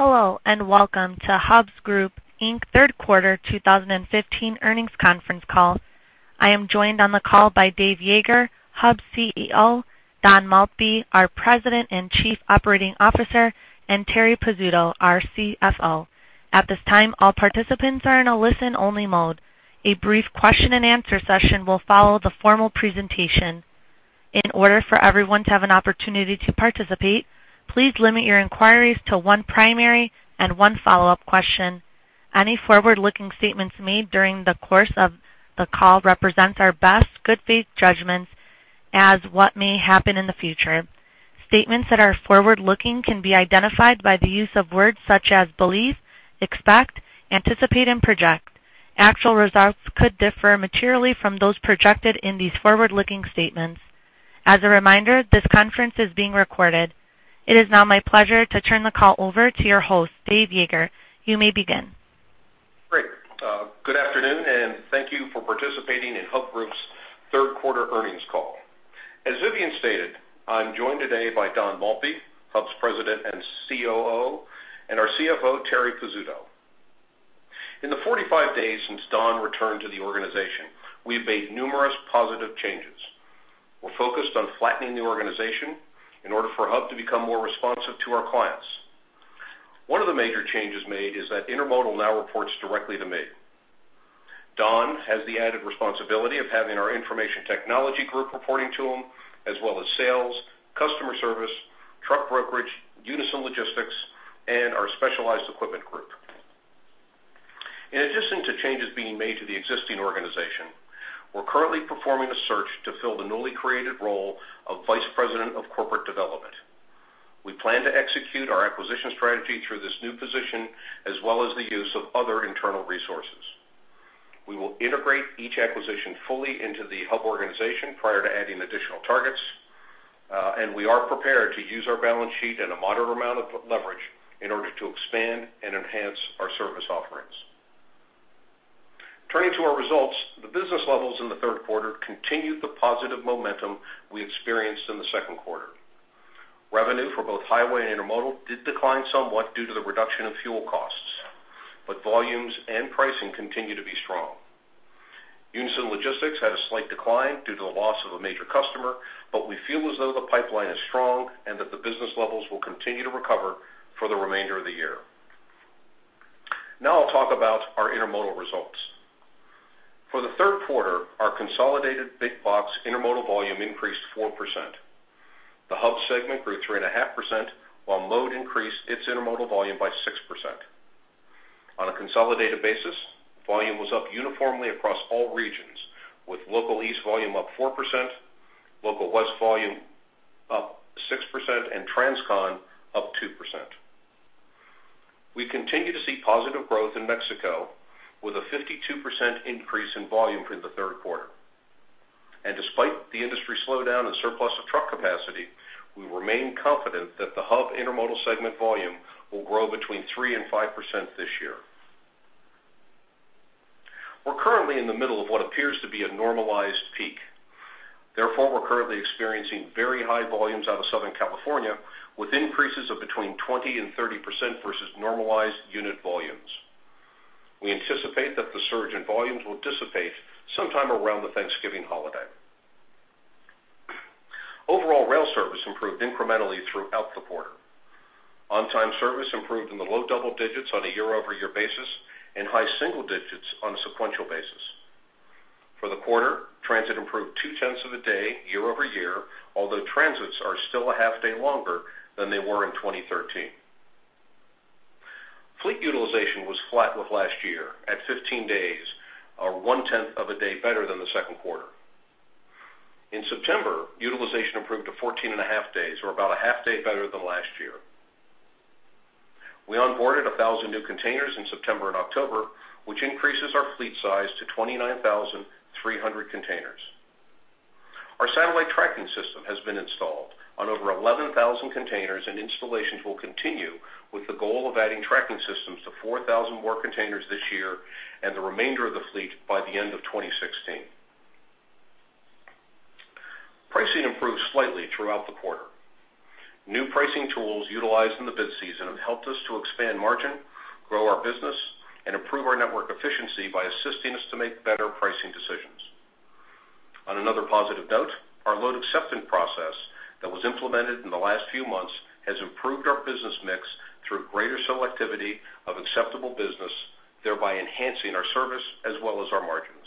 Hello, and welcome to Hub Group, Inc.'s Third Quarter 2015 Earnings Conference Call. I am joined on the call by Dave Yeager, Hub's CEO, Don Maltby, our President and Chief Operating Officer, and Terri Pizzuto, our CFO. At this time, all participants are in a listen-only mode. A brief question-and-answer session will follow the formal presentation. In order for everyone to have an opportunity to participate, please limit your inquiries to one primary and one follow-up question. Any forward-looking statements made during the course of the call represent our best good-faith judgments as what may happen in the future. Statements that are forward-looking can be identified by the use of words such as believe, expect, anticipate, and project. Actual results could differ materially from those projected in these forward-looking statements. As a reminder, this conference is being recorded. It is now my pleasure to turn the call over to your host, Dave Yeager. You may begin. Great. Good afternoon, and thank you for participating in Hub Group's Third Quarter Earnings Call. As Vivian stated, I'm joined today by Don Maltby, Hub's President and COO, and our CFO, Terri Pizzuto. In the 45 days since Don returned to the organization, we've made numerous positive changes. We're focused on flattening the organization in order for Hub to become more responsive to our clients. One of the major changes made is that Intermodal now reports directly to me. Don has the added responsibility of having our information technology group reporting to him, as well as sales, customer service, truck brokerage, Unyson Logistics, and our specialized equipment group. In addition to changes being made to the existing organization, we're currently performing a search to fill the newly created role of Vice President of Corporate Development. We plan to execute our acquisition strategy through this new position, as well as the use of other internal resources. We will integrate each acquisition fully into the Hub organization prior to adding additional targets, and we are prepared to use our balance sheet and a moderate amount of leverage in order to expand and enhance our service offerings. Turning to our results, the business levels in the third quarter continued the positive momentum we experienced in the second quarter. Revenue for both highway and intermodal did decline somewhat due to the reduction in fuel costs, but volumes and pricing continue to be strong. Unyson Logistics had a slight decline due to the loss of a major customer, but we feel as though the pipeline is strong and that the business levels will continue to recover for the remainder of the year. Now I'll talk about our intermodal results. For the third quarter, our consolidated Big Box intermodal volume increased 4%. The Hub segment grew 3.5%, while Mode increased its intermodal volume by 6%. On a consolidated basis, volume was up uniformly across all regions, with Local East volume up 4%, Local West volume up 6%, and Transcon up 2%. We continue to see positive growth in Mexico, with a 52% increase in volume for the third quarter. Despite the industry slowdown and surplus of truck capacity, we remain confident that the Hub intermodal segment volume will grow between 3% and 5% this year. We're currently in the middle of what appears to be a normalized peak. Therefore, we're currently experiencing very high volumes out of Southern California, with increases of between 20% and 30% versus normalized unit volumes. We anticipate that the surge in volumes will dissipate sometime around the Thanksgiving holiday. Overall, rail service improved incrementally throughout the quarter. On-time service improved in the low double digits on a year-over-year basis and high single digits on a sequential basis. For the quarter, transit improved 0.2 of a day year-over-year, although transits are still a half day longer than they were in 2013. Fleet utilization was flat with last year at 15 days, or 0.1 of a day better than the second quarter. In September, utilization improved to 14.5 days, or about a half day better than last year. We onboarded 1,000 new containers in September and October, which increases our fleet size to 29,300 containers. Our satellite tracking system has been installed on over 11,000 containers, and installations will continue with the goal of adding tracking systems to 4,000 more containers this year and the remainder of the fleet by the end of 2016. Pricing improved slightly throughout the quarter. New pricing tools utilized in the bid season have helped us to expand margin, grow our business, and improve our network efficiency by assisting us to make better pricing decisions. On another positive note, our load acceptance process that was implemented in the last few months has improved our business mix through greater selectivity of acceptable business, thereby enhancing our service as well as our margins.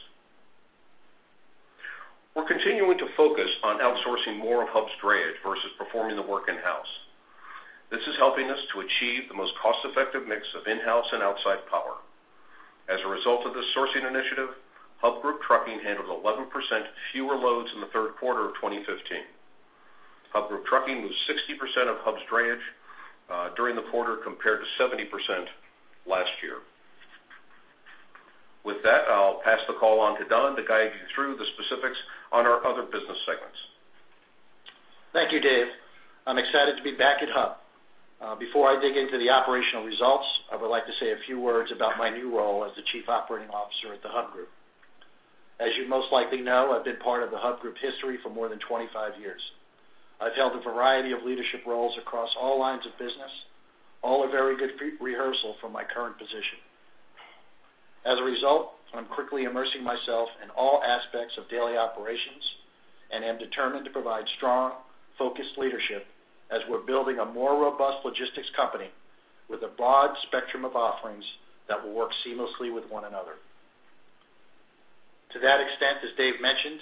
We're continuing to focus on outsourcing more of Hub's drayage versus performing the work in-house. This is helping us to achieve the most cost-effective mix of in-house and outside power. As a result of this sourcing initiative, Hub Group Trucking handled 11% fewer loads in the third quarter of 2015. Hub Group Trucking moved 60% of Hub's drayage during the quarter, compared to 70% last year. With that, I'll pass the call on to Don to guide you through the specifics on our other business segments. Thank you, Dave. I'm excited to be back at Hub. Before I dig into the operational results, I would like to say a few words about my new role as the Chief Operating Officer at The Hub Group. As you most likely know, I've been part of the Hub Group history for more than 25 years. I've held a variety of leadership roles across all lines of business, all a very good pre-rehearsal for my current position. As a result, I'm quickly immersing myself in all aspects of daily operations, and am determined to provide strong, focused leadership as we're building a more robust logistics company with a broad spectrum of offerings that will work seamlessly with one another. To that extent, as Dave mentioned,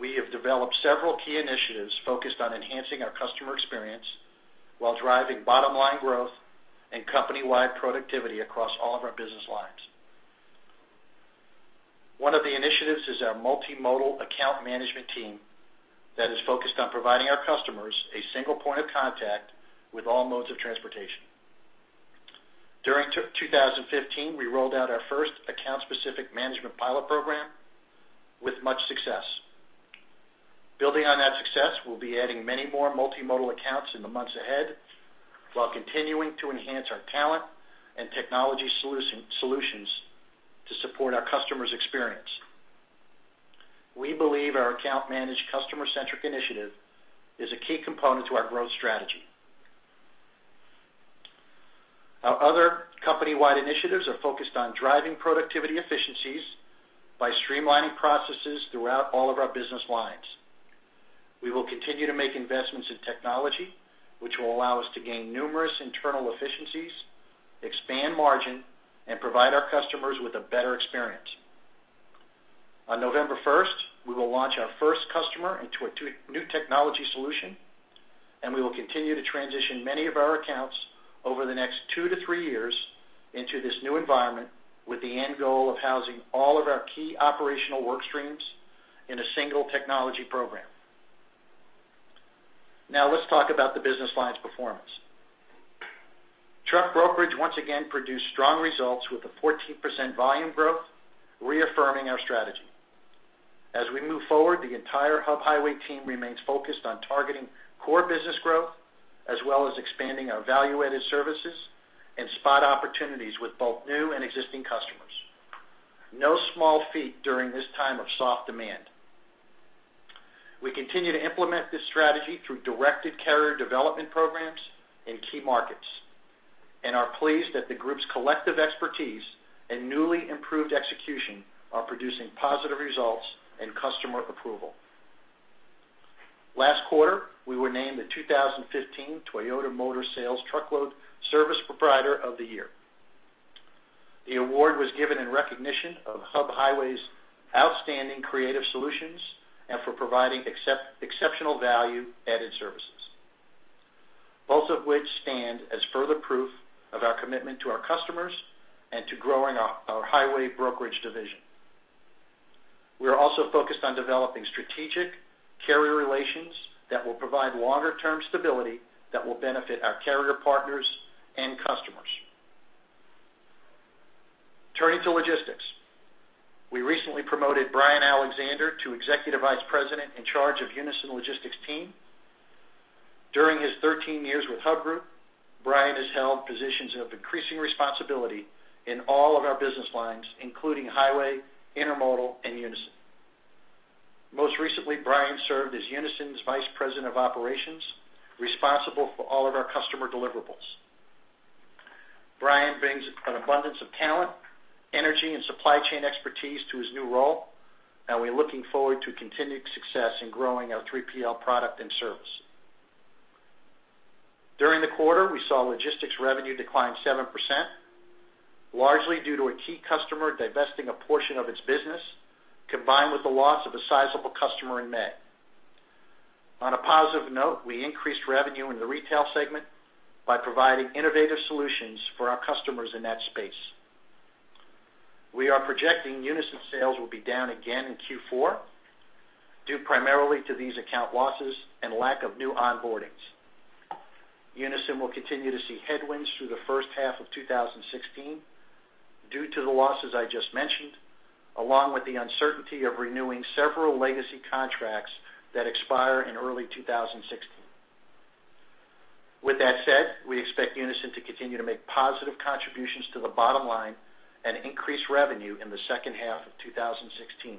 we have developed several key initiatives focused on enhancing our customer experience while driving bottom line growth and company-wide productivity across all of our business lines. One of the initiatives is our multimodal account management team that is focused on providing our customers a single point of contact with all modes of transportation. During 2015, we rolled out our first account-specific management pilot program with much success. Building on that success, we'll be adding many more multimodal accounts in the months ahead, while continuing to enhance our talent and technology solution, solutions to support our customers' experience. We believe our account managed customer-centric initiative is a key component to our growth strategy. Our other company-wide initiatives are focused on driving productivity efficiencies by streamlining processes throughout all of our business lines. We will continue to make investments in technology, which will allow us to gain numerous internal efficiencies, expand margin, and provide our customers with a better experience. On November first, we will launch our first customer into a new technology solution, and we will continue to transition many of our accounts over the next 2 years-3 years into this new environment, with the end goal of housing all of our key operational work streams in a single technology program. Now, let's talk about the business lines performance. Truck brokerage, once again, produced strong results with a 14% volume growth, reaffirming our strategy. As we move forward, the entire Hub Highway team remains focused on targeting core business growth, as well as expanding our value-added services and spot opportunities with both new and existing customers. No small feat during this time of soft demand. We continue to implement this strategy through directed carrier development programs in key markets and are pleased that the group's collective expertise and newly improved execution are producing positive results and customer approval. Last quarter, we were named the 2015 Toyota Motor Sales Truckload Service Provider of the Year. The award was given in recognition of Hub Highway's outstanding creative solutions and for providing exceptional value-added services, both of which stand as further proof of our commitment to our customers and to growing our highway brokerage division. We are also focused on developing strategic carrier relations that will provide longer term stability that will benefit our carrier partners and customers. Turning to logistics, we recently promoted Brian Alexander to Executive Vice President in charge of Unyson Logistics team. During his 13 years with Hub Group, Brian has held positions of increasing responsibility in all of our business lines, including highway, intermodal, and Unyson. Most recently, Brian served as Unyson's Vice President of Operations, responsible for all of our customer deliverables. Brian brings an abundance of talent, energy, and supply chain expertise to his new role, and we're looking forward to continued success in growing our 3PL product and service. During the quarter, we saw logistics revenue decline 7%, largely due to a key customer divesting a portion of its business, combined with the loss of a sizable customer in May. On a positive note, we increased revenue in the retail segment by providing innovative solutions for our customers in that space. We are projecting Unyson sales will be down again in Q4, due primarily to these account losses and lack of new onboardings. Unyson will continue to see headwinds through the first half of 2016 due to the losses I just mentioned, along with the uncertainty of renewing several legacy contracts that expire in early 2016. With that said, we expect Unyson to continue to make positive contributions to the bottom line and increase revenue in the second half of 2016.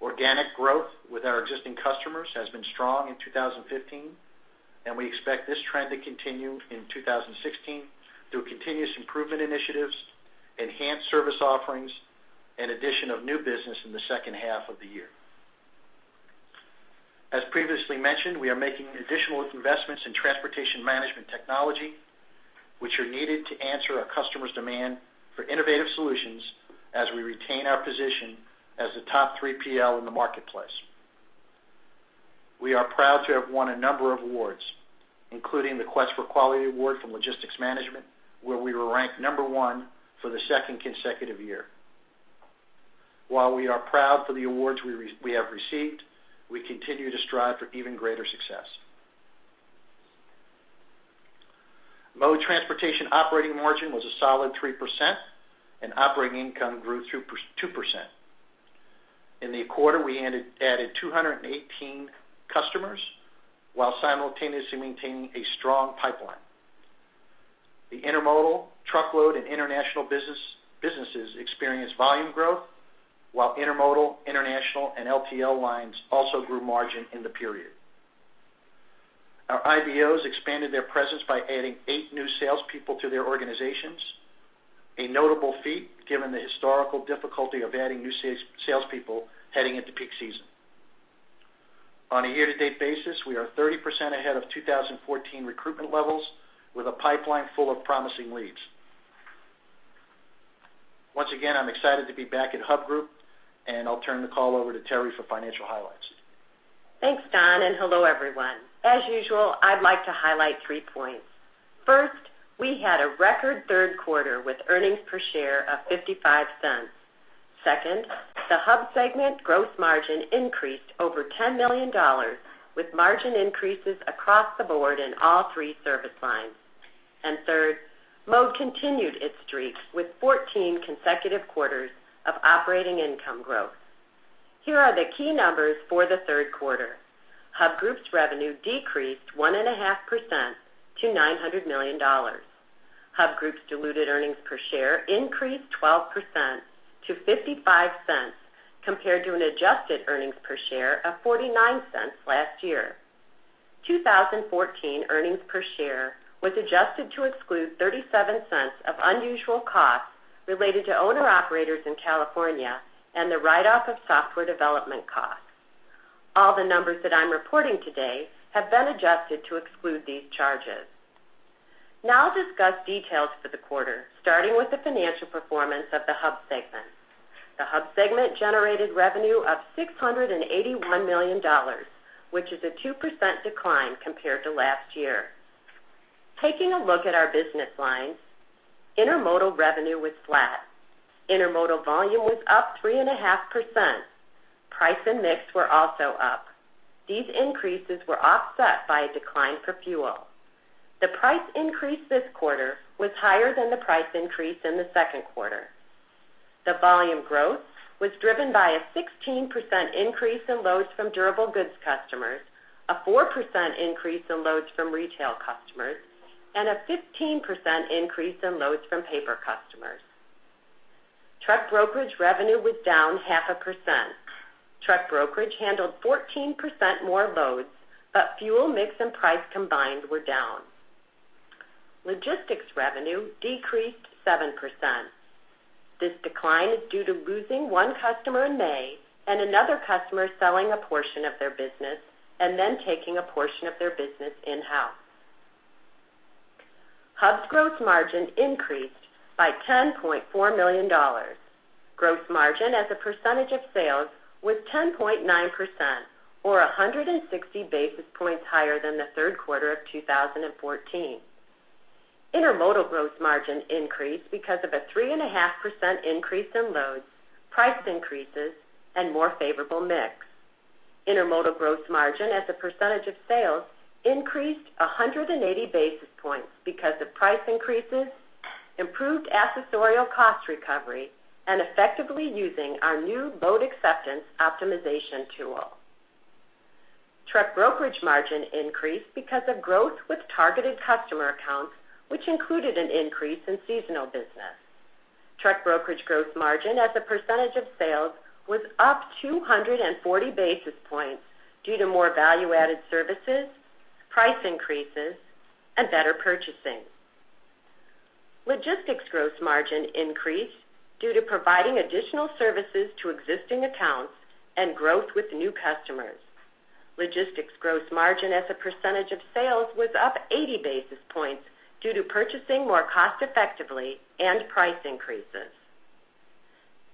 Organic growth with our existing customers has been strong in 2015, and we expect this trend to continue in 2016 through continuous improvement initiatives, enhanced service offerings, and addition of new business in the second half of the year. As previously mentioned, we are making additional investments in transportation management technology, which are needed to answer our customers' demand for innovative solutions as we retain our position as the top 3PL in the marketplace. We are proud to have won a number of awards, including the Quest for Quality Award from Logistics Management, where we were ranked number one for the second consecutive year. While we are proud for the awards we have received, we continue to strive for even greater success. Mode Transportation operating margin was a solid 3%, and operating income grew 2%. In the quarter we ended, we added 218 customers, while simultaneously maintaining a strong pipeline. The intermodal, truckload, and international businesses experienced volume growth, while intermodal, international, and LTL lines also grew margin in the period. Our IBOs expanded their presence by adding eight new salespeople to their organizations, a notable feat, given the historical difficulty of adding new salespeople heading into peak season. On a year-to-date basis, we are 30% ahead of 2014 recruitment levels, with a pipeline full of promising leads. Once again, I'm excited to be back at Hub Group, and I'll turn the call over to Terri for financial highlights. Thanks, Don, and hello, everyone. As usual, I'd like to highlight three points. First, we had a record third quarter with earnings per share of $0.55. Second, the Hub segment gross margin increased over $10 million, with margin increases across the board in all three service lines. Third, Mode continued its streak with 14 consecutive quarters of operating income growth. Here are the key numbers for the third quarter. Hub Group's revenue decreased 1.5% to $900 million. Hub Group's diluted earnings per share increased 12% to $0.55, compared to an adjusted earnings per share of $0.49 last year. 2014 earnings per share was adjusted to exclude $0.37 of unusual costs related to owner-operators in California and the write-off of software development costs. All the numbers that I'm reporting today have been adjusted to exclude these charges. Now I'll discuss details for the quarter, starting with the financial performance of the Hub segment. The Hub segment generated revenue of $681 million, which is a 2% decline compared to last year. Taking a look at our business lines, intermodal revenue was flat. Intermodal volume was up 3.5%. Price and mix were also up. These increases were offset by a decline for fuel. The price increase this quarter was higher than the price increase in the second quarter. The volume growth was driven by a 16% increase in loads from durable goods customers, a 4% increase in loads from retail customers, and a 15% increase in loads from paper customers. Truck brokerage revenue was down 0.5%. Truck brokerage handled 14% more loads, but fuel mix and price combined were down. Logistics revenue decreased 7%. This decline is due to losing one customer in May and another customer selling a portion of their business and then taking a portion of their business in-house. Hub's gross margin increased by $10.4 million. Gross margin as a percentage of sales was 10.9% or 160 basis points higher than the third quarter of 2014. Intermodal gross margin increased because of a 3.5% increase in loads, price increases, and more favorable mix. Intermodal gross margin as a percentage of sales increased 180 basis points because of price increases, improved accessorial cost recovery, and effectively using our new load acceptance optimization tool. Truck brokerage margin increased because of growth with targeted customer accounts, which included an increase in seasonal business. Truck brokerage gross margin as a percentage of sales was up 240 basis points due to more value-added services, price increases, and better purchasing. Logistics gross margin increased due to providing additional services to existing accounts and growth with new customers. Logistics gross margin as a percentage of sales was up 80 basis points due to purchasing more cost effectively and price increases.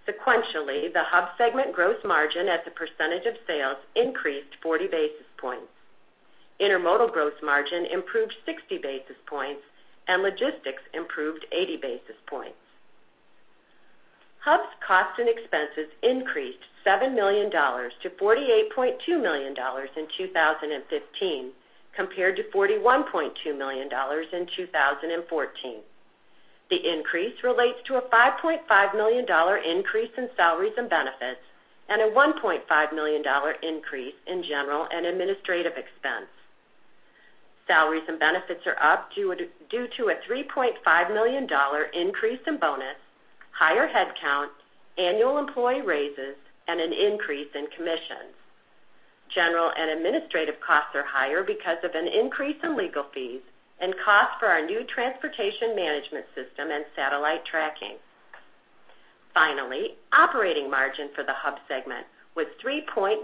Sequentially, the Hub segment gross margin as a percentage of sales increased 40 basis points. Intermodal gross margin improved 60 basis points, and Logistics improved 80 basis points. Hub's costs and expenses increased $7 million-$48.2 million in 2015, compared to $41.2 million in 2014. The increase relates to a $5.5 million increase in salaries and benefits and a $1.5 million increase in general and administrative expense. Salaries and benefits are up due to a $3.5 million increase in bonus, higher headcount, annual employee raises, and an increase in commissions. General and administrative costs are higher because of an increase in legal fees and costs for our new transportation management system and satellite tracking. Finally, operating margin for the Hub segment was 3.9%,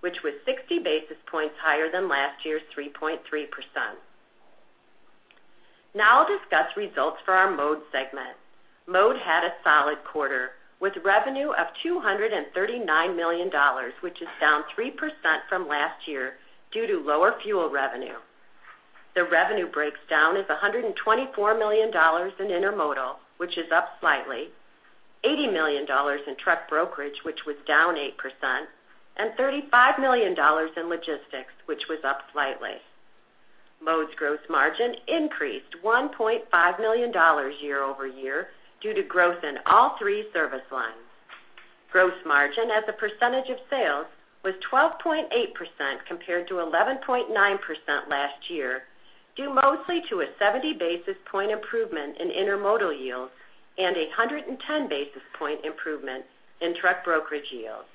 which was 60 basis points higher than last year's 3.3%. Now I'll discuss results for our Mode segment. Mode had a solid quarter, with revenue of $239 million, which is down 3% from last year due to lower fuel revenue. The revenue breaks down as $124 million in intermodal, which is up slightly, $80 million in truck brokerage, which was down 8%, and $35 million in logistics, which was up slightly. Mode's gross margin increased $1.5 million year-over-year due to growth in all three service lines. Gross margin as a percentage of sales was 12.8% compared to 11.9% last year, due mostly to a 70 basis point improvement in intermodal yields and a 110 basis point improvement in truck brokerage yields.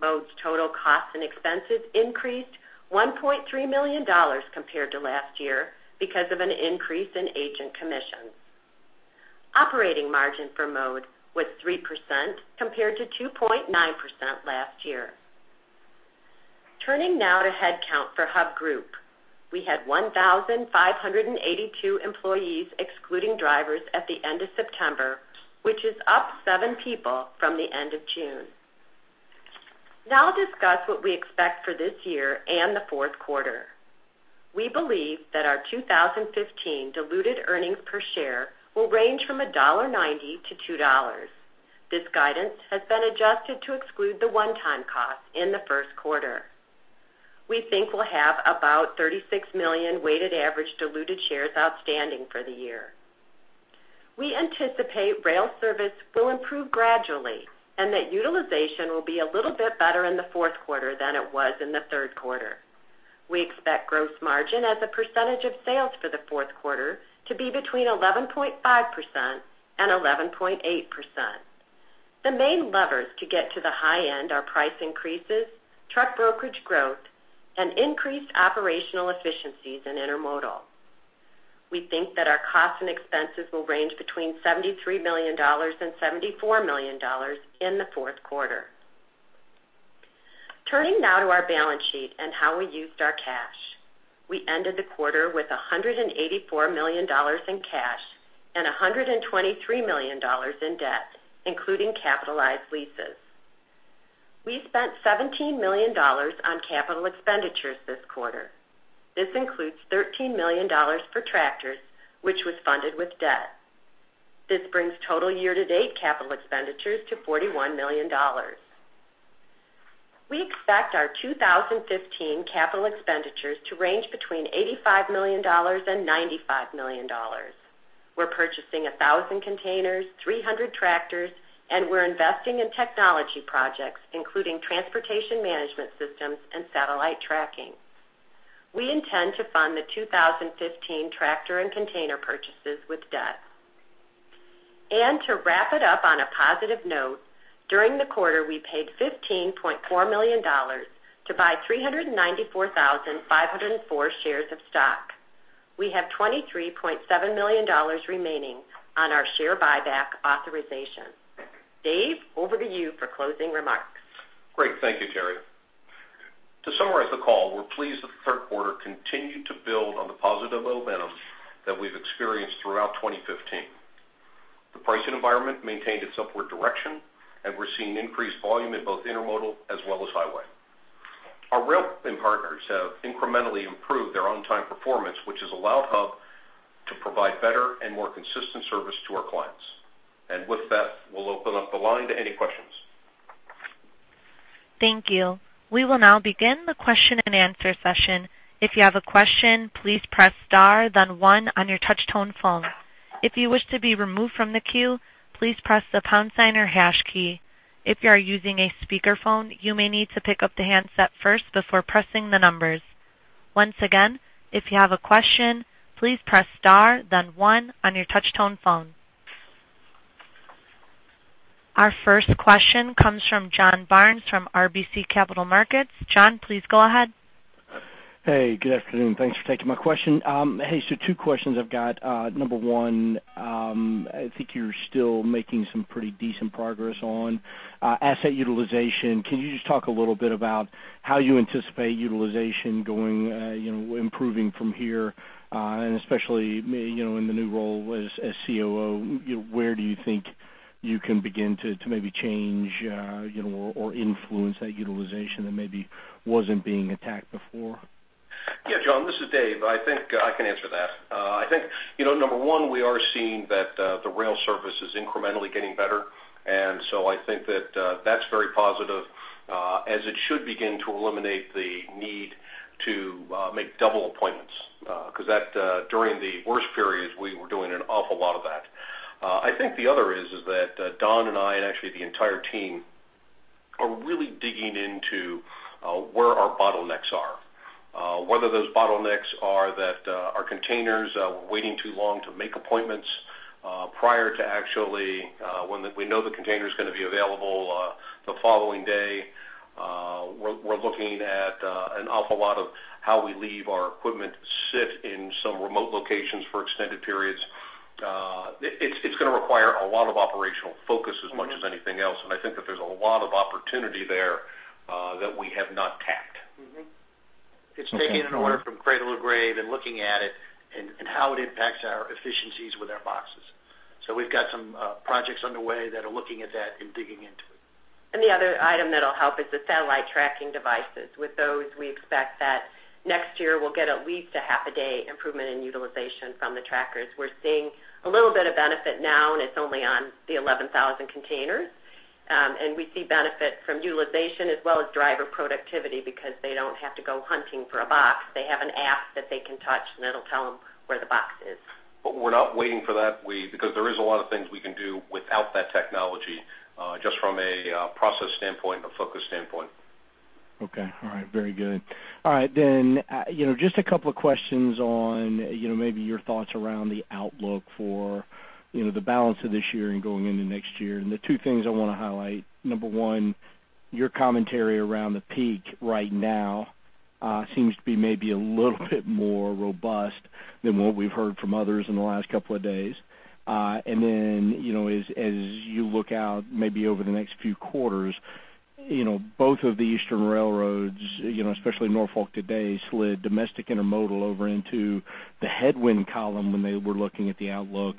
Mode's total costs and expenses increased $1.3 million compared to last year because of an increase in agent commissions. Operating margin for Mode was 3% compared to 2.9% last year. Turning now to headcount for Hub Group. We had 1,582 employees, excluding drivers, at the end of September, which is up seven people from the end of June. Now I'll discuss what we expect for this year and the fourth quarter. We believe that our 2015 diluted earnings per share will range from $1.90-$2. This guidance has been adjusted to exclude the one-time costs in the first quarter. We think we'll have about 36 million weighted average diluted shares outstanding for the year. We anticipate rail service will improve gradually and that utilization will be a little bit better in the fourth quarter than it was in the third quarter. We expect gross margin as a percentage of sales for the fourth quarter to be between 11.5% and 11.8%. The main levers to get to the high end are price increases, truck brokerage growth, and increased operational efficiencies in intermodal. We think that our costs and expenses will range between $73 million and $74 million in the fourth quarter. Turning now to our balance sheet and how we used our cash. We ended the quarter with $184 million in cash and $123 million in debt, including capitalized leases. We spent $17 million on capital expenditures this quarter. This includes $13 million for tractors, which was funded with debt. This brings total year-to-date capital expenditures to $41 million. We expect our 2015 capital expenditures to range between $85 million and $95 million. We're purchasing 1,000 containers, 300 tractors, and we're investing in technology projects, including transportation management systems and satellite tracking. We intend to fund the 2015 tractor and container purchases with debt. To wrap it up on a positive note, during the quarter, we paid $15.4 million to buy 394,504 shares of stock. We have $23.7 million remaining on our share buyback authorization. Dave, over to you for closing remarks. Great. Thank you, Terri. To summarize the call, we're pleased that the third quarter continued to build on the positive momentum that we've experienced throughout 2015. The pricing environment maintained its upward direction, and we're seeing increased volume in both intermodal as well as highway. Our rail and partners have incrementally improved their on-time performance, which has allowed Hub to provide better and more consistent service to our clients. And with that, we'll open up the line to any questions. Thank you. We will now begin the question-and-answer session. If you have a question, please press star, then one on your touch-tone phone. If you wish to be removed from the queue, please press the pound sign or hash key. If you are using a speakerphone, you may need to pick up the handset first before pressing the numbers. Once again, if you have a question, please press star, then one on your touch-tone phone. Our first question comes from John Barnes from RBC Capital Markets. John, please go ahead. Hey, good afternoon. Thanks for taking my question. Hey, so two questions I've got. Number one, I think you're still making some pretty decent progress on asset utilization. Can you just talk a little bit about how you anticipate utilization going, you know, improving from here, and especially, you know, in the new role as COO, you know, where do you think you can begin to maybe change, you know, or influence that utilization that maybe wasn't being attacked before? Yeah, John, this is Dave. I think I can answer that. I think, you know, number one, we are seeing that, the rail service is incrementally getting better, and so I think that, that's very positive, as it should begin to eliminate the need to, make double appointments, 'cause that, during the worst periods, we were doing an awful lot of that. I think the other is that, Don and I, and actually the entire team, are really digging into, where our bottlenecks are. Whether those bottlenecks are that, our containers are waiting too long to make appointments, prior to actually, when we know the container is gonna be available, the following day. We're looking at an awful lot of how we leave our equipment sit in some remote locations for extended periods. It's gonna require a lot of operational focus as much as anything else, and I think that there's a lot of opportunity there that we have not tapped. Mm-hmm. Okay. It's taking an order from cradle to grave and looking at it and how it impacts our efficiencies with our boxes. So we've got some projects underway that are looking at that and digging into it. And the other item that'll help is the satellite tracking devices. With those, we expect that next year, we'll get at least a half a day improvement in utilization from the trackers. We're seeing a little bit of benefit now, and it's only on the 11,000 containers. And we see benefit from utilization as well as driver productivity because they don't have to go hunting for a box. They have an app that they can touch, and it'll tell them where the box is. But we're not waiting for that. We, because there is a lot of things we can do without that technology, just from a process standpoint and a focus standpoint. Okay. All right, very good. All right, then, you know, just a couple of questions on, you know, maybe your thoughts around the outlook for, you know, the balance of this year and going into next year. The two things I want to highlight, number one, your commentary around the peak right now seems to be maybe a little bit more robust than what we've heard from others in the last couple of days. Then, you know, as you look out, maybe over the next few quarters, you know, both of the Eastern railroads, you know, especially Norfolk today, slid domestic intermodal over into the headwind column when they were looking at the outlook.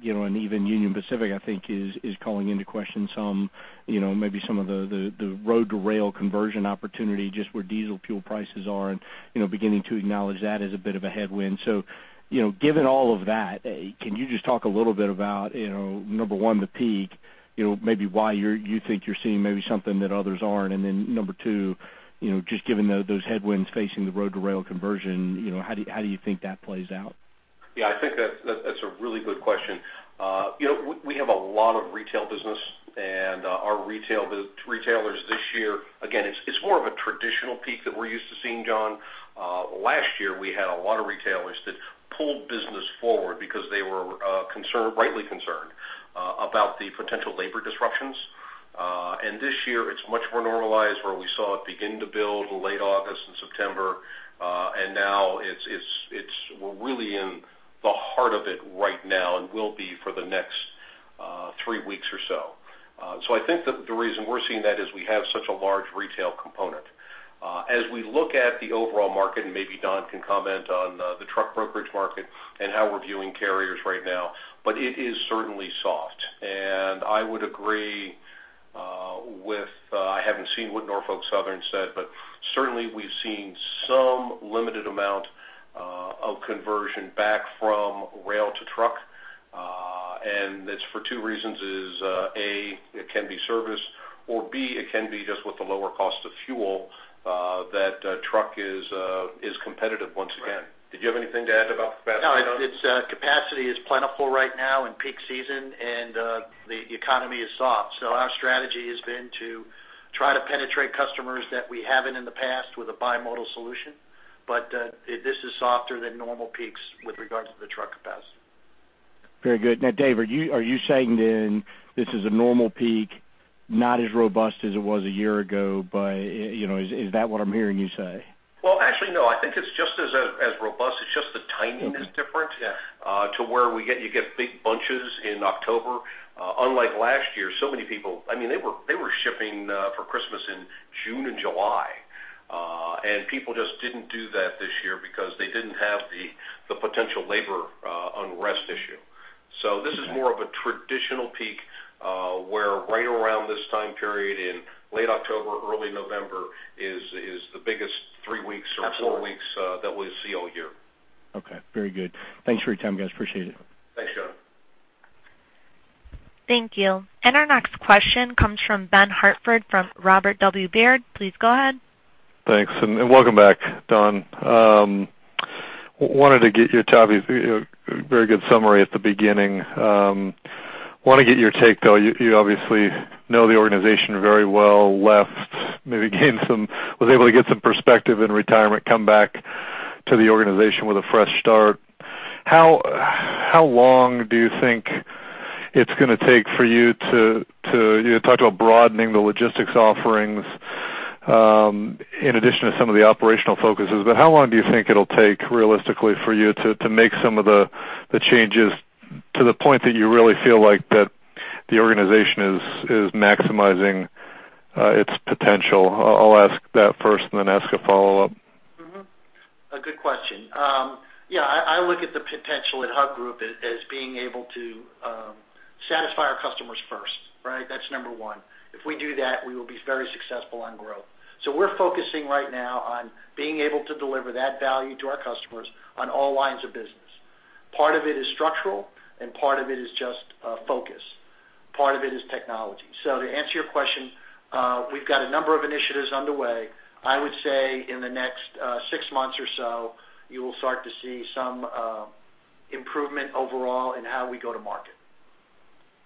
You know, and even Union Pacific, I think, is calling into question some, you know, maybe some of the road to rail conversion opportunity, just where diesel fuel prices are, and, you know, beginning to acknowledge that as a bit of a headwind. So, you know, given all of that, can you just talk a little bit about, you know, number one, the peak, you know, maybe why you think you're seeing maybe something that others aren't? And then number two, you know, just given those headwinds facing the road to rail conversion, you know, how do you, how do you think that plays out? Yeah, I think that's a really good question. You know, we have a lot of retail business, and our retailers this year, again, it's more of a traditional peak that we're used to seeing, John. Last year, we had a lot of retailers that pulled business forward because they were concerned, rightly concerned, about the potential labor disruptions. And this year, it's much more normalized, where we saw it begin to build in late August and September, and now we're really in the heart of it right now, and will be for the next three weeks or so. So I think that the reason we're seeing that is we have such a large retail component. As we look at the overall market, and maybe Don can comment on the truck brokerage market and how we're viewing carriers right now, but it is certainly soft. I would agree. I haven't seen what Norfolk Southern said, but certainly we've seen some limited amount of conversion back from rail to truck. It's for two reasons: A, it can be service, or B, it can be just with the lower cost of fuel that truck is competitive once again. Did you have anything to add about capacity, Don? No, it's capacity is plentiful right now in peak season, and the economy is soft. So our strategy has been to try to penetrate customers that we haven't in the past with a bimodal solution, but this is softer than normal peaks with regards to the truck capacity. Very good. Now, Dave, are you, are you saying then, this is a normal peak, not as robust as it was a year ago, but, you know, is, is that what I'm hearing you say? Well, actually, no, I think it's just as robust. It's just the timing is different. Mm-hmm. Yeah To where we get, you get big bunches in October. Unlike last year, so many people, I mean, they were, they were shipping for Christmas in June and July. And people just didn't do that this year because they didn't have the potential labor unrest issue. Okay. This is more of a traditional peak, where right around this time period, in late October, early November, is the biggest three weeks or four weeks.. Absolutely. That we'll see all year. Okay, very good. Thanks for your time, guys. Appreciate it. Thanks, John. Thank you. Our next question comes from Ben Hartford, from Robert W. Baird. Please go ahead. Thanks, and welcome back, Don. Wanted to get your topic. Very good summary at the beginning. Want to get your take, though. You obviously know the organization very well, left, maybe gained some perspective in retirement, come back to the organization with a fresh start. How long do you think it's going to take for you to. You talked about broadening the logistics offerings, in addition to some of the operational focuses, but how long do you think it'll take, realistically, for you to make some of the changes to the point that you really feel like the organization is maximizing its potential? I'll ask that first and then ask a follow-up. Mm-hmm. A good question. Yeah, I, I look at the potential at Hub Group as, as being able to, satisfy our customers first, right? That's number one. If we do that, we will be very successful on growth. So we're focusing right now on being able to deliver that value to our customers on all lines of business. Part of it is structural, and part of it is just, focus. Part of it is technology. So to answer your question, we've got a number of initiatives underway. I would say in the next, six months or so, you will start to see some, improvement overall in how we go to market.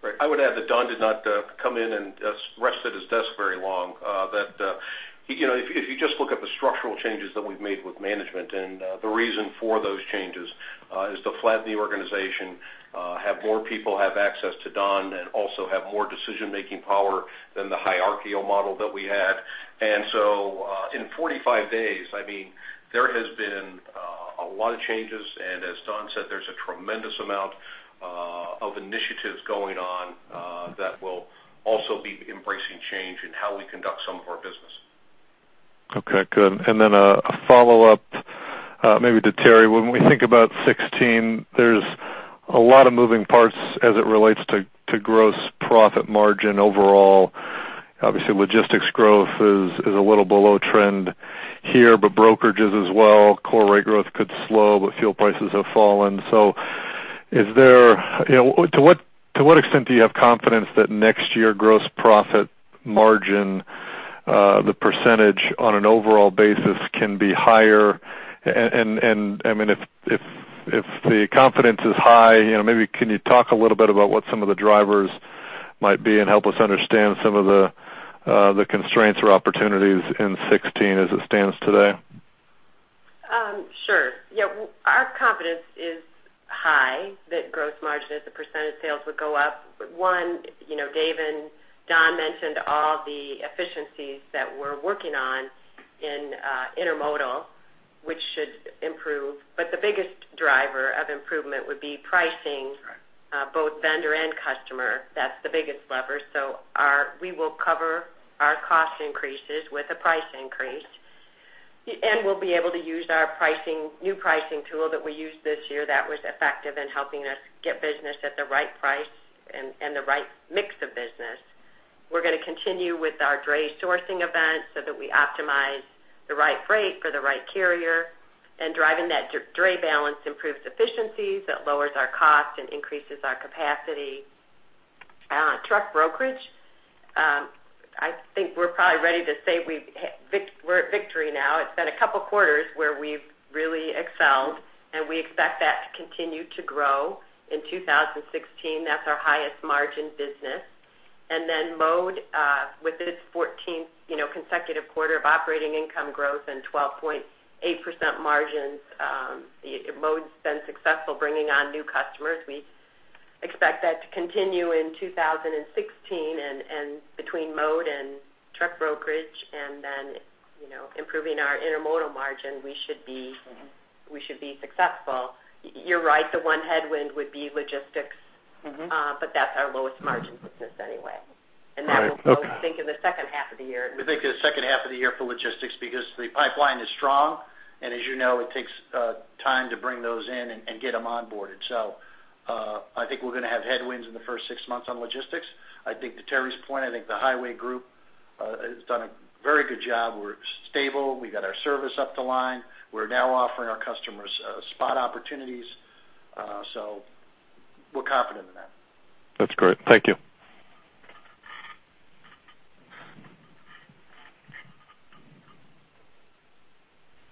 Right. I would add that Don did not come in and just rest at his desk very long. That, you know, if you just look at the structural changes that we've made with management, and the reason for those changes is to flatten the organization, have more people have access to Don, and also have more decision-making power than the hierarchical model that we had. And so, in 45 days, I mean, there has been a lot of changes, and as Don said, there's a tremendous amount of initiatives going on that will also be embracing change in how we conduct some of our business. Okay, good. And then a follow-up, maybe to Terri. When we think about 2016, there's a lot of moving parts as it relates to gross profit margin overall. Obviously, logistics growth is a little below trend here, but brokerages as well. Core rate growth could slow, but fuel prices have fallen. So, is there you know, to what extent do you have confidence that next year, gross profit margin, the percentage on an overall basis, can be higher? And, I mean, if the confidence is high, you know, maybe can you talk a little bit about what some of the drivers might be and help us understand some of the constraints or opportunities in 2016 as it stands today? Sure. Yeah, our confidence is high that gross margin as a percent of sales would go up. One, you know, Dave and Don mentioned all the efficiencies that we're working on in intermodal, which should improve. But the biggest driver of improvement would be pricing. Right. Both vendor and customer. That's the biggest lever. So we will cover our cost increases with a price increase, and we'll be able to use our pricing, new pricing tool that we used this year that was effective in helping us get business at the right price and the right mix of business. We're going to continue with our dray sourcing events so that we optimize the right rate for the right carrier, and driving that dray balance improves efficiencies, that lowers our cost and increases our capacity. Truck brokerage, I think we're probably ready to say we're at victory now. It's been a couple quarters where we've really excelled, and we expect that to continue to grow in 2016. That's our highest margin business. Then Mode, with its fourteenth, you know, consecutive quarter of operating income growth and 12.8% margins, Mode's been successful bringing on new customers. We expect that to continue in 2016, and between Mode and truck brokerage, and then, you know, improving our intermodal margin, we should be successful. You're right, the one headwind would be logistics. Mm-hmm. But that's our lowest margin business anyway. All right, okay. That will think in the second half of the year. We think the second half of the year for logistics, because the pipeline is strong, and as you know, it takes time to bring those in and get them onboarded. So, I think we're going to have headwinds in the first six months on logistics. I think to Terri's point, I think the highway group has done a very good job. We're stable. We're now offering our customers spot opportunities, so we're confident in that. That's great. Thank you.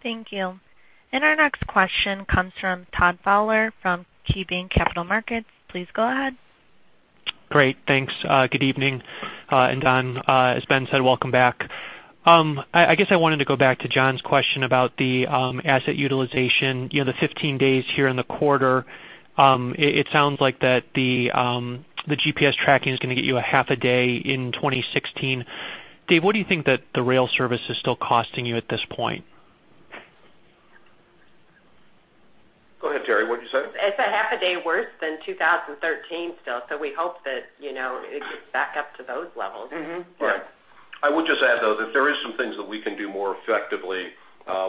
Thank you. Our next question comes from Todd Fowler from KeyBanc Capital Markets. Please go ahead. Great, thanks. Good evening, and Don, as Ben said, welcome back. I guess I wanted to go back to John's question about the asset utilization, you know, the 15 days here in the quarter. It sounds like the GPS tracking is going to get you a half a day in 2016. Dave, what do you think that the rail service is still costing you at this point? Go ahead, Terri, what'd you say? It's half a day worse than 2013 still, so we hope that, you know, it gets back up to those levels. Mm-hmm. Right. I would just add, though, that there is some things that we can do more effectively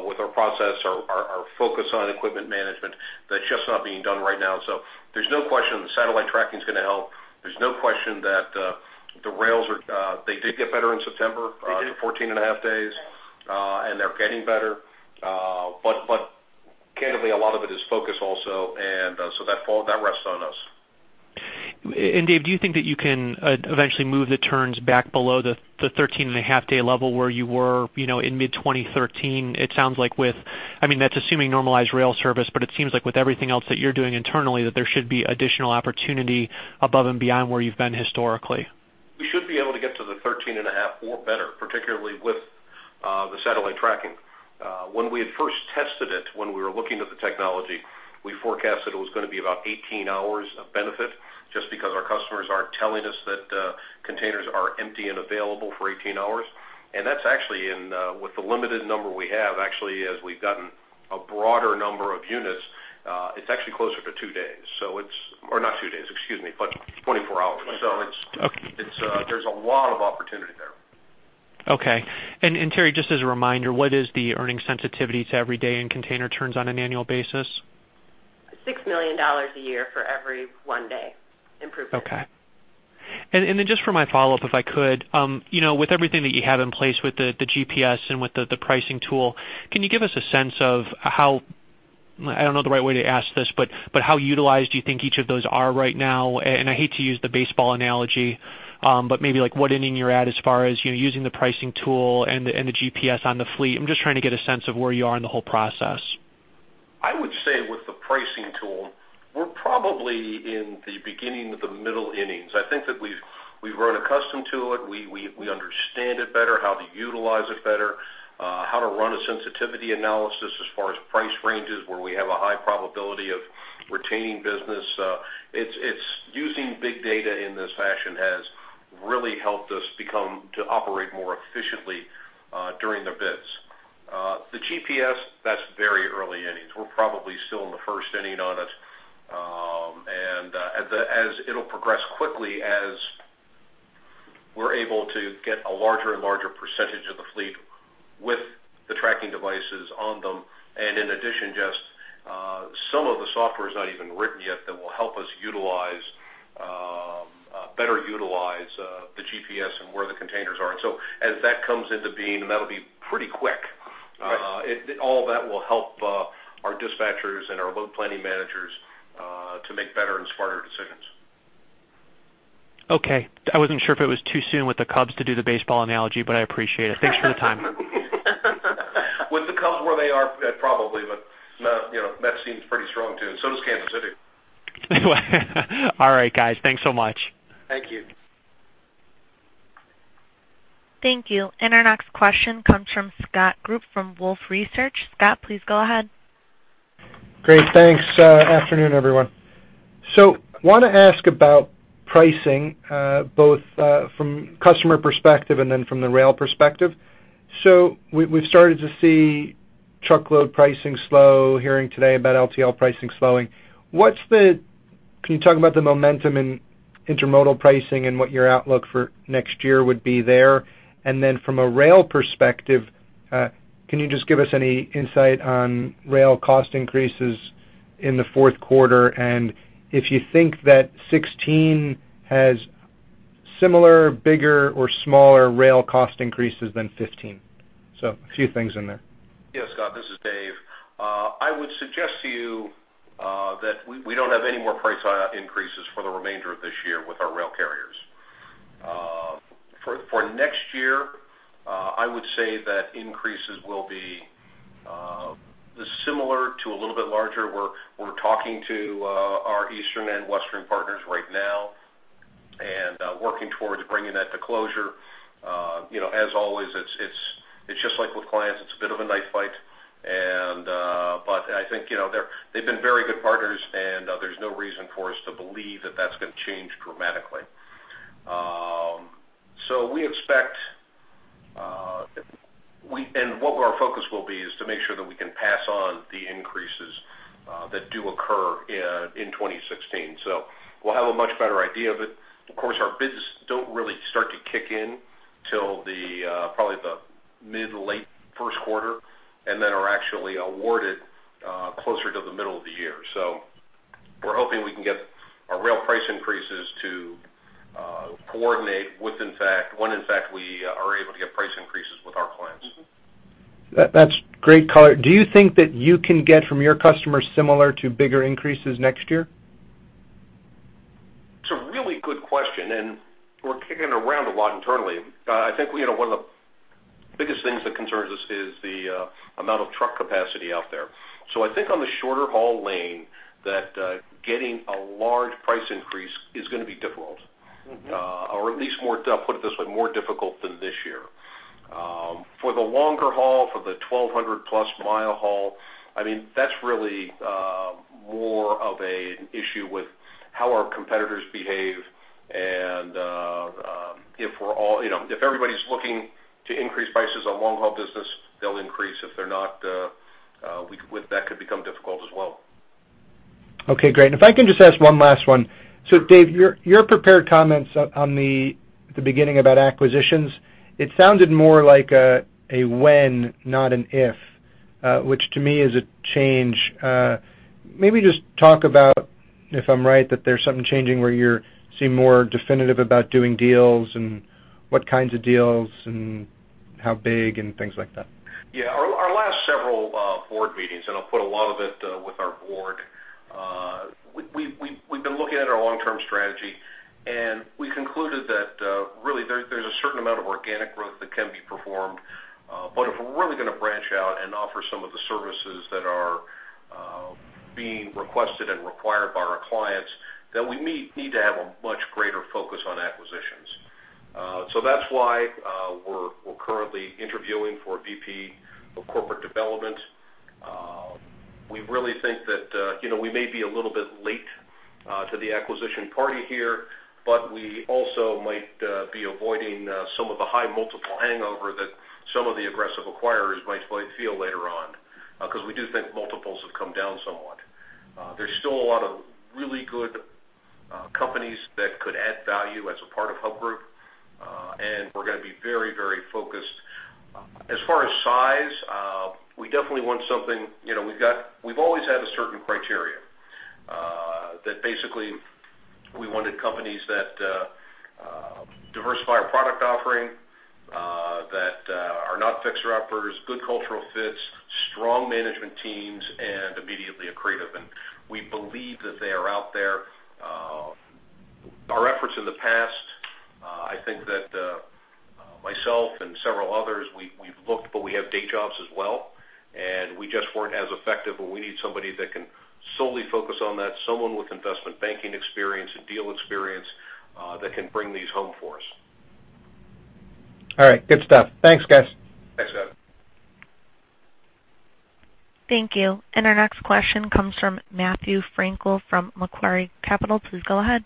with our process, our focus on equipment management, that's just not being done right now. So there's no question that satellite tracking is going to help. There's no question that the rails are, they did get better in September. To 14.5 days, and they're getting better. But candidly, a lot of it is focus also, and so that fall, that rests on us. Dave, do you think that you can eventually move the turns back below the 13.5-day level where you were, you know, in mid-2013? It sounds like with I mean, that's assuming normalized rail service, but it seems like with everything else that you're doing internally, that there should be additional opportunity above and beyond where you've been historically. We should be able to get to the 13.5 or better, particularly with the satellite tracking. When we had first tested it, when we were looking at the technology, we forecasted it was going to be about 18 hours of benefit, just because our customers aren't telling us that containers are empty and available for 18 hours. And that's actually in with the limited number we have, actually, as we've gotten a broader number of units, it's actually closer to two days. So it's or not two days, excuse me, but 24 hours. So it's, there's a lot of opportunity there. Okay. And Terri, just as a reminder, what is the earnings sensitivity to every day in container turns on an annual basis? $6 million a year for every one day improvement. Okay. And then just for my follow-up, if I could, you know, with everything that you have in place with the GPS and with the pricing tool, can you give us a sense of how, I don't know the right way to ask this, but how utilized do you think each of those are right now? And I hate to use the baseball analogy, but maybe like what inning you're at as far as, you know, using the pricing tool and the GPS on the fleet. I'm just trying to get a sense of where you are in the whole process. I would say with the pricing tool, we're probably in the beginning of the middle innings. I think that we've grown accustomed to it. We understand it better, how to utilize it better, how to run a sensitivity analysis as far as price ranges, where we have a high probability of retaining business. It's using big data in this fashion has really helped us become to operate more efficiently during the bids. The GPS, that's very early innings. We're probably still in the first inning on it. As it'll progress quickly, as we're able to get a larger and larger percentage of the fleet with the tracking devices on them. And in addition, just some of the software is not even written yet that will help us better utilize the GPS and where the containers are. And so as that comes into being, and that'll be pretty quick, all that will help our dispatchers and our load planning managers to make better and smarter decisions. Okay. I wasn't sure if it was too soon with the Cubs to do the baseball analogy, but I appreciate it. Thanks for your time. With the Cubs where they are, probably, but, you know, Mets seems pretty strong, too, so does Kansas City. All right, guys. Thanks so much. Thank you. Thank you. And our next question comes from Scott Group from Wolfe Research. Scott, please go ahead. Great, thanks. Afternoon, everyone. So want to ask about pricing, both, from customer perspective and then from the rail perspective. So we, we've started to see truckload pricing slow, hearing today about LTL pricing slowing. Can you talk about the momentum in intermodal pricing and what your outlook for next year would be there? And then from a rail perspective, can you just give us any insight on rail cost increases in the fourth quarter? And if you think that 2016 has similar, bigger, or smaller rail cost increases than 2015. So a few things in there. Yes, Scott, this is Dave. I would suggest to you that we don't have any more price increases for the remainder of this year with our rail carriers. For next year, I would say that increases will be similar to a little bit larger. We're talking to our Eastern and Western partners right now and working towards bringing that to closure. You know, as always, it's just like with clients, it's a bit of a knife fight, and but I think, you know, they're they've been very good partners, and there's no reason for us to believe that that's going to change dramatically. So we expect, we and what our focus will be is to make sure that we can pass on the increases that do occur in 2016. So we'll have a much better idea, but of course, our business don't really start to kick in till the probably the mid-late first quarter, and then are actually awarded closer to the middle of the year. So we're hoping we can get our rail price increases to coordinate with in fact, when in fact, we are able to get price increases with our clients. Mm-hmm. That's great color. Do you think that you can get from your customers similar to bigger increases next year? It's a really good question, and we're kicking it around a lot internally. I think, you know, one of the biggest things that concerns us is the amount of truck capacity out there. So I think on the shorter haul lane, that getting a large price increase is going to be difficult. Mm-hmm. Or at least more, put it this way, more difficult than this year. For the longer haul, for the 1,200+ mile haul, I mean, that's really more of an issue with how our competitors behave, and if we're all, you know, if everybody's looking to increase prices on long-haul business, they'll increase. If they're not, well, that could become difficult as well. Okay, great. If I can just ask one last one. Dave, your prepared comments on the beginning about acquisitions, it sounded more like a when, not an if, which to me is a change. Maybe just talk about if I'm right, that there's something changing where you're seem more definitive about doing deals, and what kinds of deals, and how big, and things like that. Yeah. Our last several board meetings, and I'll put a lot of it with our board, we've been looking at our long-term strategy, and we concluded that, really, there's a certain amount of organic growth that can be performed. But if we're really going to branch out and offer some of the services that are being requested and required by our clients, then we need to have a much greater focus on acquisitions. So that's why, we're currently interviewing for a VP of corporate development. We really think that, you know, we may be a little bit late to the acquisition party here, but we also might be avoiding some of the high multiple hangover that some of the aggressive acquirers might, might feel later on, because we do think multiples have come down somewhat. There's still a lot of really good companies that could add value as a part of Hub Group, and we're going to be very, very focused. As far as size, we definitely want something, you know. We've always had a certain criteria that basically we wanted companies that diversify our product offering, that are not fixed operators, good cultural fits, strong management teams, and immediately accretive, and we believe that they are out there. Our efforts in the past, I think that myself and several others, we've looked, but we have day jobs as well, and we just weren't as effective, and we need somebody that can solely focus on that, someone with investment banking experience and deal experience, that can bring these home for us. All right. Good stuff. Thanks, guys. Thanks, Scott. Thank you. Our next question comes from Matthew Frankel from Macquarie Capital. Please go ahead.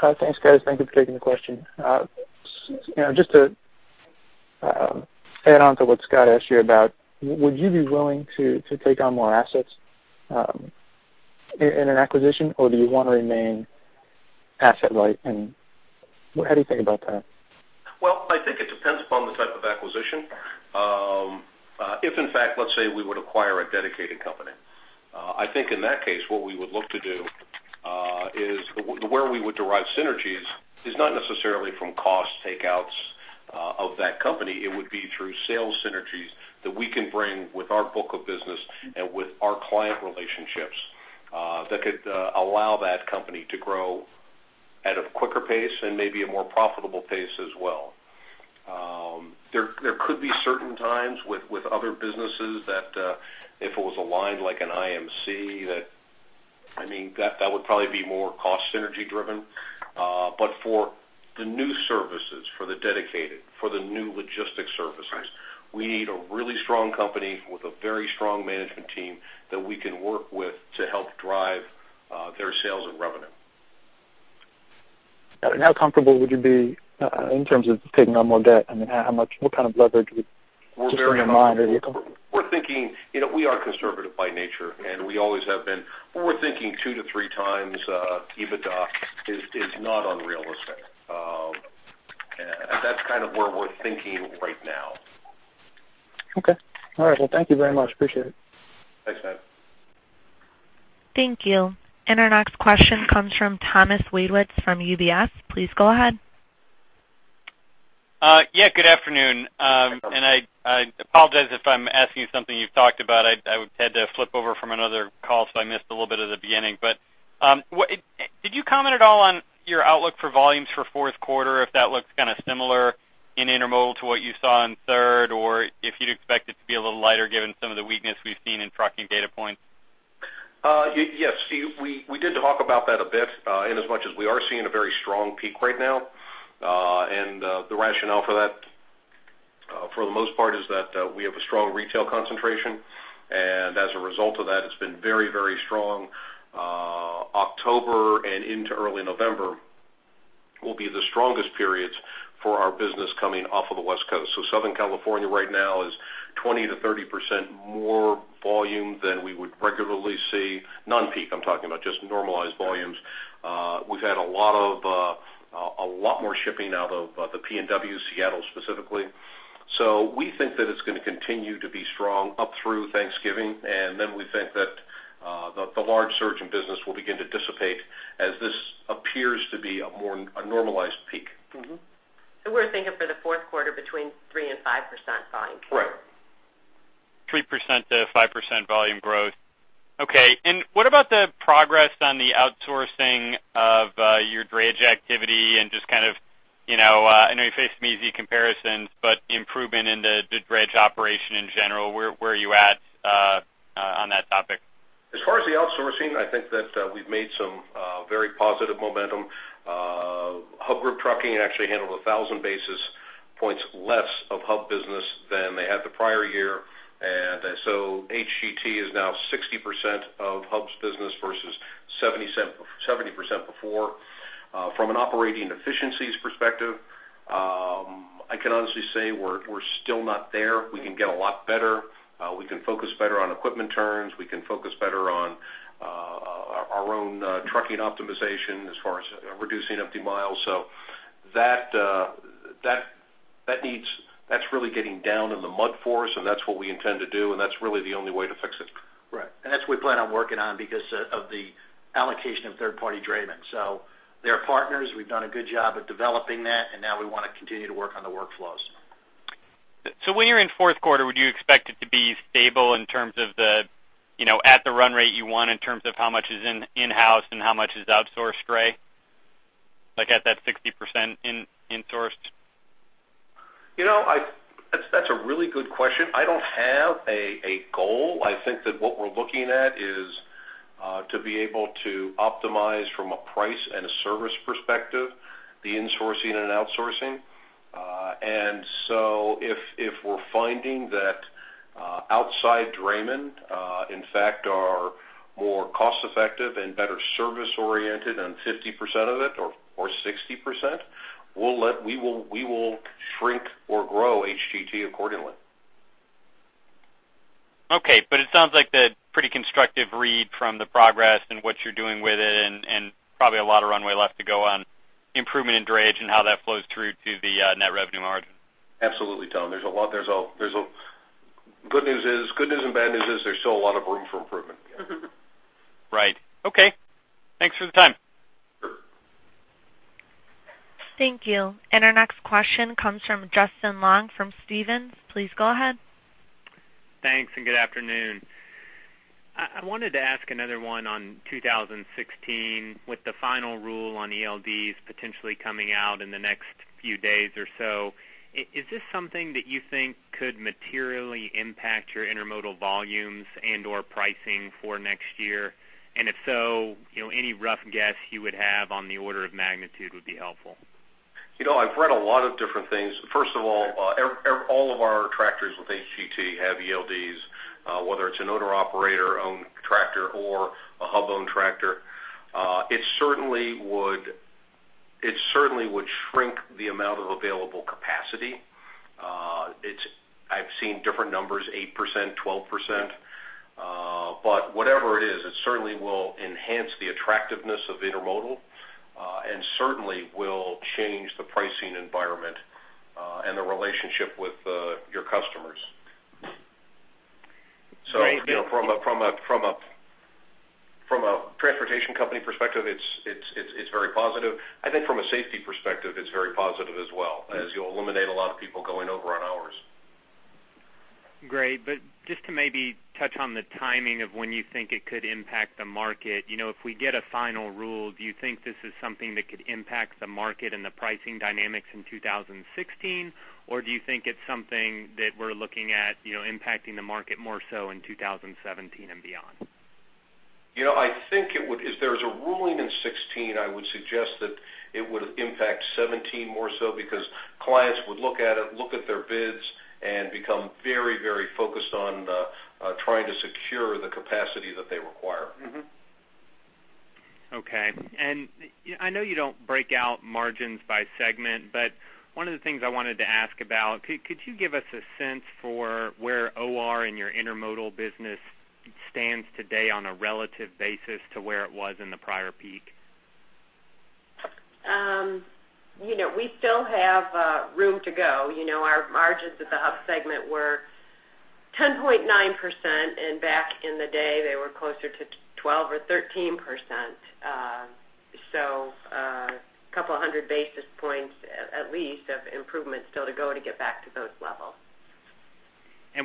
Thanks, guys. Thank you for taking the question. You know, just to add on to what Scott asked you about, would you be willing to take on more assets in an acquisition, or do you want to remain asset light, and how do you think about that? Well, I think it depends upon the type of acquisition. If, in fact, let's say we would acquire a dedicated company, I think in that case, what we would look to do is where we would derive synergies is not necessarily from cost takeouts of that company. It would be through sales synergies that we can bring with our book of business and with our client relationships that could allow that company to grow at a quicker pace and maybe a more profitable pace as well. There could be certain times with other businesses that if it was aligned like an IMC, that would probably be more cost synergy driven. But for the new services, for the dedicated, for the new logistics services, we need a really strong company with a very strong management team that we can work with to help drive their sales and revenue. How comfortable would you be in terms of taking on more debt? I mean, how much, what kind of leverage would. We're very. Just in your mind, are you? We're thinking, you know, we are conservative by nature, and we always have been. We're thinking two to three times EBITDA is not unrealistic. That's kind of where we're thinking right now. Okay. All right. Well, thank you very much. Appreciate it. Thanks, Matthew. Thank you. And our next question comes from Thomas Wadewitz from UBS. Please go ahead. Yeah, good afternoon. And I apologize if I'm asking you something you've talked about. I had to flip over from another call, so I missed a little bit of the beginning. But, did you comment at all on your outlook for volumes for fourth quarter, if that looks kind of similar in intermodal to what you saw in third, or if you'd expect it to be a little lighter given some of the weakness we've seen in trucking data points? Yes, we did talk about that a bit, in as much as we are seeing a very strong peak right now. The rationale for that, for the most part, is that we have a strong retail concentration, and as a result of that, it's been very, very strong. October and into early November will be the strongest periods for our business coming off of the West Coast. So Southern California right now is 20%-30% more volume than we would regularly see. Non-peak, I'm talking about, just normalized volumes. We've had a lot more shipping out of the PNW, Seattle, specifically. So we think that it's going to continue to be strong up through Thanksgiving, and then we think that the large surge in business will begin to dissipate as this appears to be a more normalized peak. Mm-hmm. We're thinking for the fourth quarter, between 3% and 5% volume growth. Right. 3%-5% volume growth. Okay, and what about the progress on the outsourcing of your drayage activity and just kind of, you know, I know you face some easy comparisons, but improvement in the drayage operation in general, where are you at on that topic? As far as the outsourcing, I think that, we've made some, very positive momentum. Hub Group Trucking actually handled 1,000 basis points less of Hub business than they had the prior year. And so HGT is now 60% of Hub's business versus 77%-70% before. From an operating efficiencies perspective, I can honestly say we're, we're still not there. We can get a lot better. We can focus better on equipment turns, we can focus better on, our, our own, trucking optimization as far as reducing empty miles. So that, that, that needs. That's really getting down in the mud for us, and that's what we intend to do, and that's really the only way to fix it. Right. And that's what we plan on working on because of the allocation of third-party draymen. So they're partners. We've done a good job at developing that, and now we want to continue to work on the workflows. So when you're in fourth quarter, would you expect it to be stable in terms of the, you know, at the run rate you want, in terms of how much is in, in-house and how much is outsourced dray? Like, at that 60% in-insourced. You know, that's a really good question. I don't have a goal. I think that what we're looking at is to be able to optimize from a price and a service perspective, the insourcing and outsourcing. And so if we're finding that outside draymen in fact are more cost effective and better service-oriented than 50% of it or 60%, we will shrink or grow HGT accordingly. Okay. But it sounds like a pretty constructive read from the progress and what you're doing with it, and probably a lot of runway left to go on improvement in drayage and how that flows through to the net revenue margin. Absolutely, Tom. There's a lot. Good news is, good news and bad news is there's still a lot of room for improvement. Mm-hmm. Right. Okay. Thanks for the time. Sure. Thank you. And our next question comes from Justin Long, from Stephens. Please go ahead. Thanks, and good afternoon. I wanted to ask another one on 2016, with the final rule on ELDs potentially coming out in the next few days or so. Is this something that you think could materially impact your intermodal volumes and/or pricing for next year? And if so, you know, any rough guess you would have on the order of magnitude would be helpful. You know, I've read a lot of different things. First of all, all of our tractors with HGT have ELDs, whether it's an owner-operator owned tractor or a Hub-owned tractor. It certainly would, it certainly would shrink the amount of available capacity. It's I've seen different numbers, 8%, 12%. But whatever it is, it certainly will enhance the attractiveness of intermodal, and certainly will change the pricing environment, and the relationship with, your customers. Great. So, you know, from a transportation company perspective, it's very positive. I think from a safety perspective, it's very positive as well, as you'll eliminate a lot of people going over on hours. Great. But just to maybe touch on the timing of when you think it could impact the market. You know, if we get a final rule, do you think this is something that could impact the market and the pricing dynamics in 2016? Or do you think it's something that we're looking at, you know, impacting the market more so in 2017 and beyond? You know, I think it would, if there's a ruling in 2016, I would suggest that it would impact 2017 more so because clients would look at it, look at their bids, and become very, very focused on trying to secure the capacity that they require. Mm-hmm. Okay. And I know you don't break out margins by segment, but one of the things I wanted to ask about, could you give us a sense for where OR in your intermodal business stands today on a relative basis to where it was in the prior peak? You know, we still have room to go. You know, our margins at the Hub segment were 10.9%, and back in the day, they were closer to 12% or 13%. So, a couple of hundred basis points, at least, of improvement still to go to get back to those levels.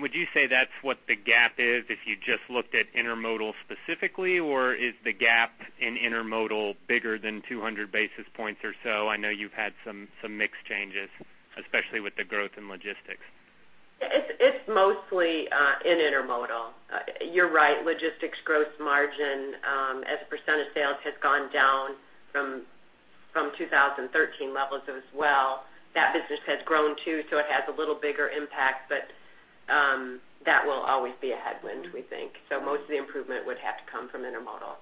Would you say that's what the gap is if you just looked at intermodal specifically, or is the gap in intermodal bigger than 200 basis points or so? I know you've had some mix changes, especially with the growth in logistics. It's, it's mostly in intermodal. You're right, logistics gross margin as a percentage of sales has gone down from 2013 levels as well. That business has grown, too, so it has a little bigger impact, but that will always be a headwind, we think. So most of the improvement would have to come from intermodal.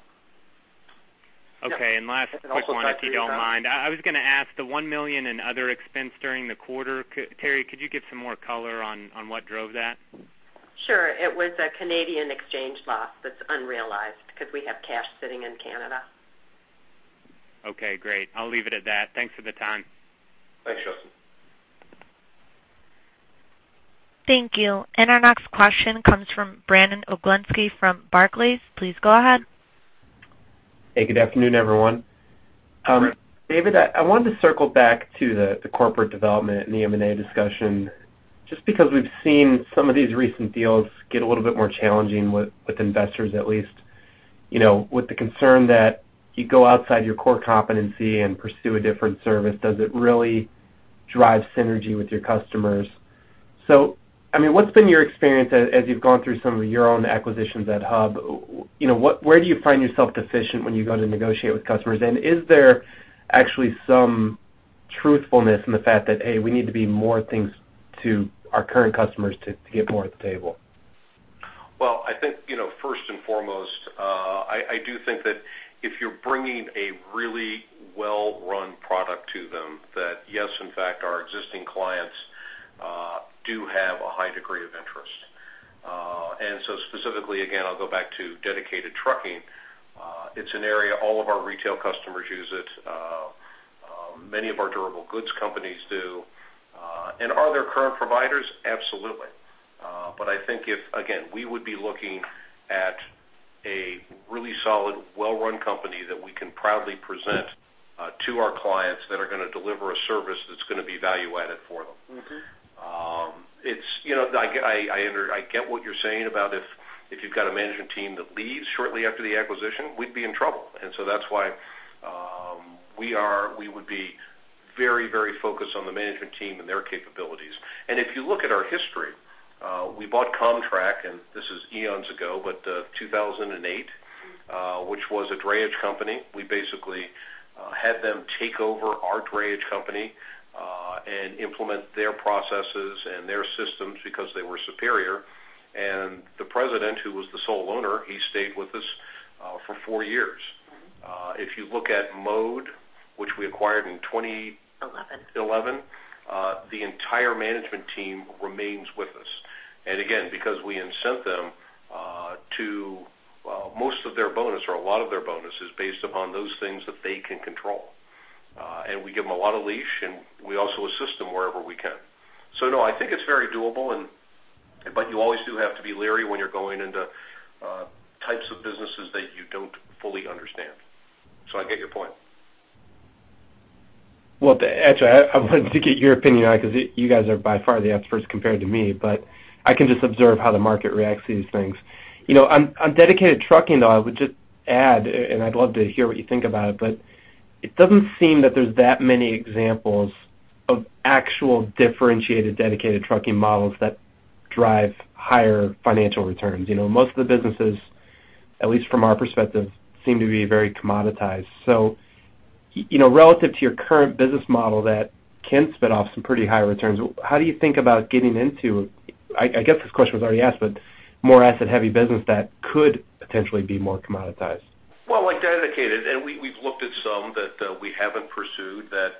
Okay, and last quick one, if you don't mind. I was going to ask, the $1 million in other expense during the quarter, Terri, could you give some more color on what drove that? Sure. It was a Canadian exchange loss that's unrealized because we have cash sitting in Canada. Okay, great. I'll leave it at that. Thanks for the time. Thanks, Justin. Thank you. And our next question comes from Brandon Oglenski from Barclays. Please go ahead. Hey, good afternoon, everyone. David, I wanted to circle back to the corporate development and the M&A discussion, just because we've seen some of these recent deals get a little bit more challenging with investors, at least. You know, with the concern that you go outside your core competency and pursue a different service, does it really drive synergy with your customers? So, I mean, what's been your experience as you've gone through some of your own acquisitions at Hub? You know, where do you find yourself deficient when you go to negotiate with customers? And is there actually some truthfulness in the fact that, hey, we need to be more things to our current customers to get more at the table? Well, I think, you know, first and foremost, I do think that if you're bringing a really well-run product to them, that yes, in fact, our existing clients do have a high degree of interest. And so specifically, again, I'll go back to dedicated trucking. It's an area all of our retail customers use it, many of our durable goods companies do. And are there current providers? Absolutely. But I think if, again, we would be looking at a really solid, well-run company that we can proudly present to our clients that are going to deliver a service that's going to be value added for them. Mm-hmm. It's, you know, I get what you're saying about if you've got a management team that leaves shortly after the acquisition, we'd be in trouble. And so that's why we would be very, very focused on the management team and their capabilities. And if you look at our history, we bought Comtrak, and this is eons ago, but two thousand and eight, which was a drayage company. We basically had them take over our drayage company and implement their processes and their systems because they were superior. And the president, who was the sole owner, he stayed with us for four years. Mm-hmm. If you look at Mode, which we acquired in 2011. The entire management team remains with us. And again, because we incent them to, well, most of their bonus or a lot of their bonus is based upon those things that they can control. And we give them a lot of leash, and we also assist them wherever we can. So no, I think it's very doable, and but you always do have to be leery when you're going into types of businesses that you don't fully understand. So I get your point. Well, actually, I wanted to get your opinion on it because you guys are by far the experts compared to me, but I can just observe how the market reacts to these things. You know, on dedicated trucking, though, I would just add, and I'd love to hear what you think about it, but it doesn't seem that there's that many examples of actual differentiated dedicated trucking models that drive higher financial returns. You know, most of the businesses, at least from our perspective, seem to be very commoditized. So, you know, relative to your current business model that can spit off some pretty high returns, how do you think about getting into, I guess this question was already asked, but more asset-heavy business that could potentially be more commoditized? Well, like dedicated, and we, we've looked at some that, we haven't pursued that,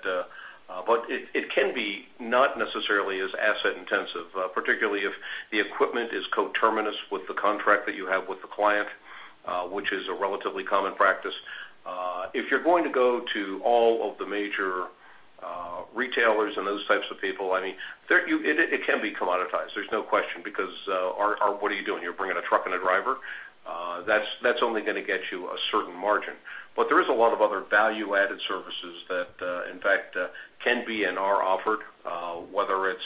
but it, it can be not necessarily as asset intensive, particularly if the equipment is coterminous with the contract that you have with the client, which is a relatively common practice. If you're going to go to all of the major retailers and those types of people, I mean, there, you, it, it can be commoditized. There's no question, because, our, our what are you doing? You're bringing a truck and a driver. That's, that's only going to get you a certain margin. But there is a lot of other value-added services that, in fact, can be and are offered, whether it's,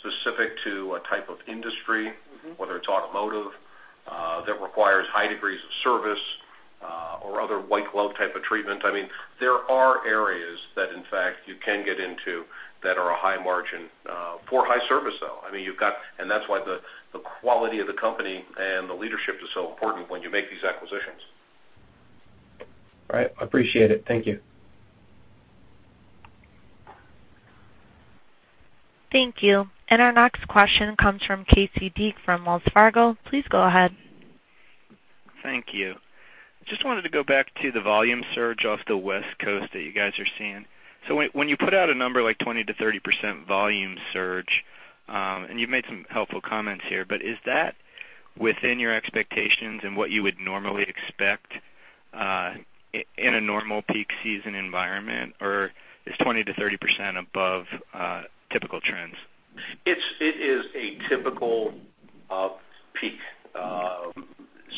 specific to a type of industry. Mm-hmm. Whether it's automotive, that requires high degrees of service, or other white glove type of treatment. I mean, there are areas that, in fact, you can get into that are a high margin, for high service, though. I mean, you've got and that's why the quality of the company and the leadership is so important when you make these acquisitions. All right, I appreciate it. Thank you. Thank you. And our next question comes from Casey Deak from Wells Fargo. Please go ahead. Thank you. Just wanted to go back to the volume surge off the West Coast that you guys are seeing. So when you put out a number like 20%-30% volume surge, and you've made some helpful comments here, but is that within your expectations and what you would normally expect in a normal peak season environment, or is 20%-30% above typical trends? It is a typical peak.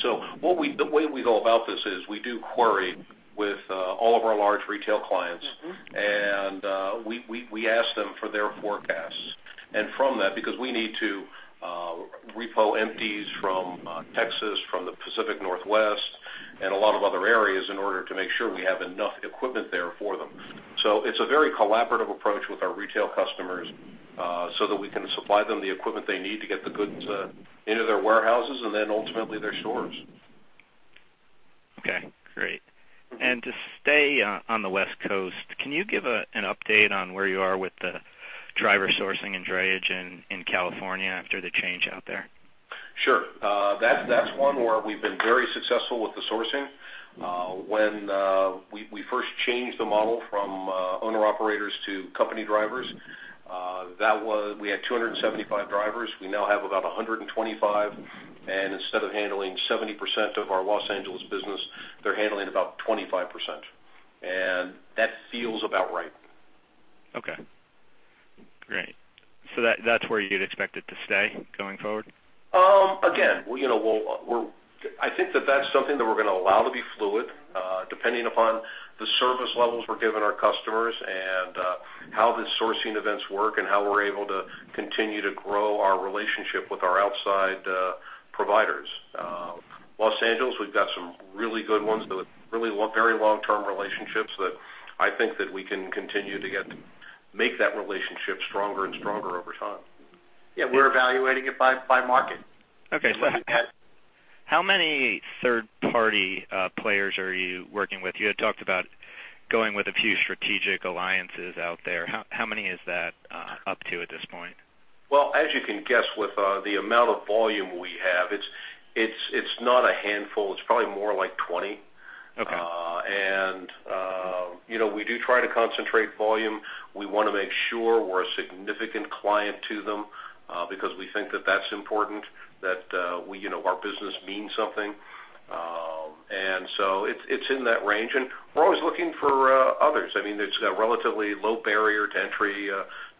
So what we the way we go about this is we do query with all of our large retail clients, and we ask them for their forecasts. And from that, because we need to repo empties from Texas, from the Pacific Northwest, and a lot of other areas in order to make sure we have enough equipment there for them. So it's a very collaborative approach with our retail customers so that we can supply them the equipment they need to get the goods into their warehouses and then ultimately their stores. Okay, great. And to stay on the West Coast, can you give an update on where you are with the driver sourcing and drayage in California after the change out there? Sure. That's one where we've been very successful with the sourcing. When we first changed the model from owner-operators to company drivers, that was we had 275 drivers. We now have about 125, and instead of handling 70% of our Los Angeles business, they're handling about 25%. And that feels about right. Okay, great. So that, that's where you'd expect it to stay going forward? Again, well, you know, we'll, we're. I think that that's something that we're going to allow to be fluid, depending upon the service levels we're giving our customers, and how the sourcing events work, and how we're able to continue to grow our relationship with our outside providers. Los Angeles, we've got some really good ones with really long, very long-term relationships that I think that we can continue to get, make that relationship stronger and stronger over time. Yeah, we're evaluating it by market. Okay. So we've had. How many third-party players are you working with? You had talked about going with a few strategic alliances out there. How many is that up to at this point? Well, as you can guess, with the amount of volume we have, it's not a handful. It's probably more like 20. Okay. And, you know, we do try to concentrate volume. We want to make sure we're a significant client to them, because we think that that's important, that, we, you know, our business means something. And so it's, it's in that range, and we're always looking for, others. I mean, it's a relatively low barrier to entry,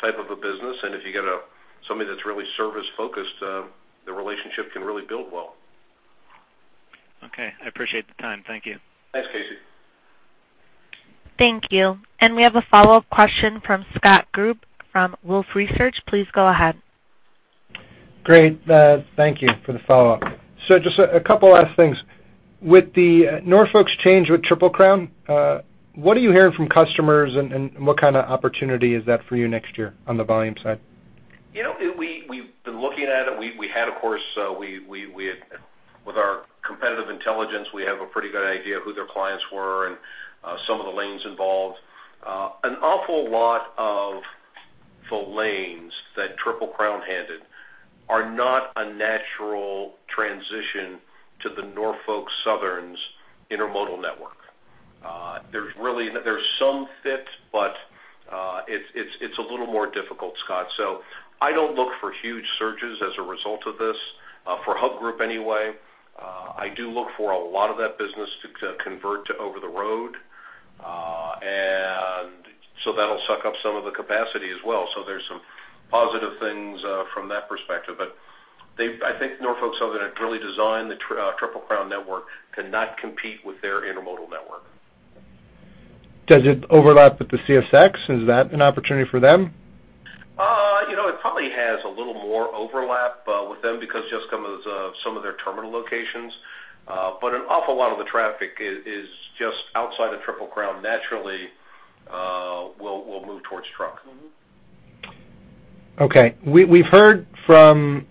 type of a business, and if you get a, somebody that's really service-focused, the relationship can really build well. Okay. I appreciate the time. Thank you. Thanks, Casey. Thank you. And we have a follow-up question from Scott Group from Wolfe Research. Please go ahead. Great. Thank you for the follow-up. So just a couple last things. With the Norfolk's change with Triple Crown, what are you hearing from customers, and what kind of opportunity is that for you next year on the volume side? You know, we've been looking at it. We had, of course, with our competitive intelligence, we have a pretty good idea of who their clients were and some of the lanes involved. An awful lot of the lanes that Triple Crown handles are not a natural transition to the Norfolk Southern's intermodal network. There's really some fit, but it's a little more difficult, Scott. So I don't look for huge surges as a result of this for Hub Group anyway. I do look for a lot of that business to convert to over-the-road. And so that'll suck up some of the capacity as well. So there's some positive things from that perspective. But they've, I think, Norfolk Southern had really designed the Triple Crown network to not compete with their intermodal network. Does it overlap with the CSX? Is that an opportunity for them? You know, it probably has a little more overlap with them because just some of their terminal locations, but an awful lot of the traffic is just outside of Triple Crown naturally will move towards truck. Okay. We've heard from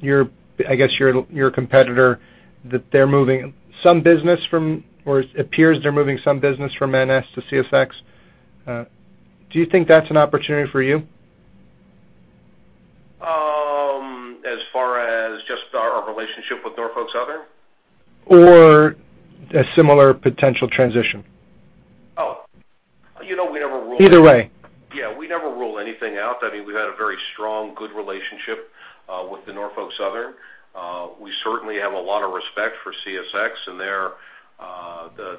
your competitor, I guess, that they're moving some business from NS to CSX, or it appears they're moving some business from NS to CSX. Do you think that's an opportunity for you? As far as just our relationship with Norfolk Southern? Or a similar potential transition? Oh, you know, we never rule. Either way. Yeah, we never rule anything out. I mean, we've had a very strong, good relationship with the Norfolk Southern. We certainly have a lot of respect for CSX and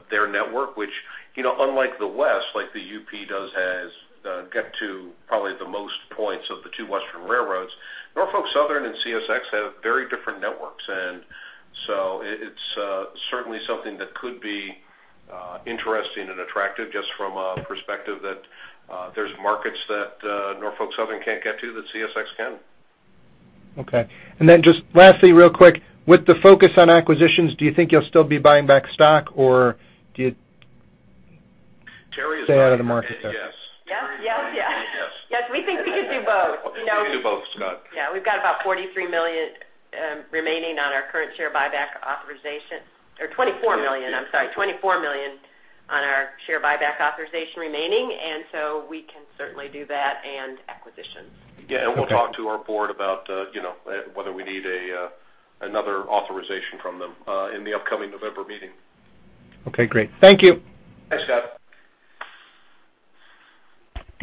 their network, which, you know, unlike the West, like the UP does, has get to probably the most points of the two western railroads. Norfolk Southern and CSX have very different networks, and so it's certainly something that could be interesting and attractive just from a perspective that there's markets that Norfolk Southern can't get to, that CSX can. Okay. And then just lastly, real quick, with the focus on acquisitions, do you think you'll still be buying back stock, or do you? Terri? Stay out of the market there? Yes. Yes. Yes, yes. Yes. Yes, we think we could do both, you know. We can do both, Scott. Yeah, we've got about $43 million remaining on our current share buyback authorization. Or $24 million, I'm sorry, $24 million on our share buyback authorization remaining, and so we can certainly do that and acquisitions. Yeah, and we'll talk to our board about, you know, whether we need another authorization from them, in the upcoming November meeting. Okay, great. Thank you. Thanks, Scott.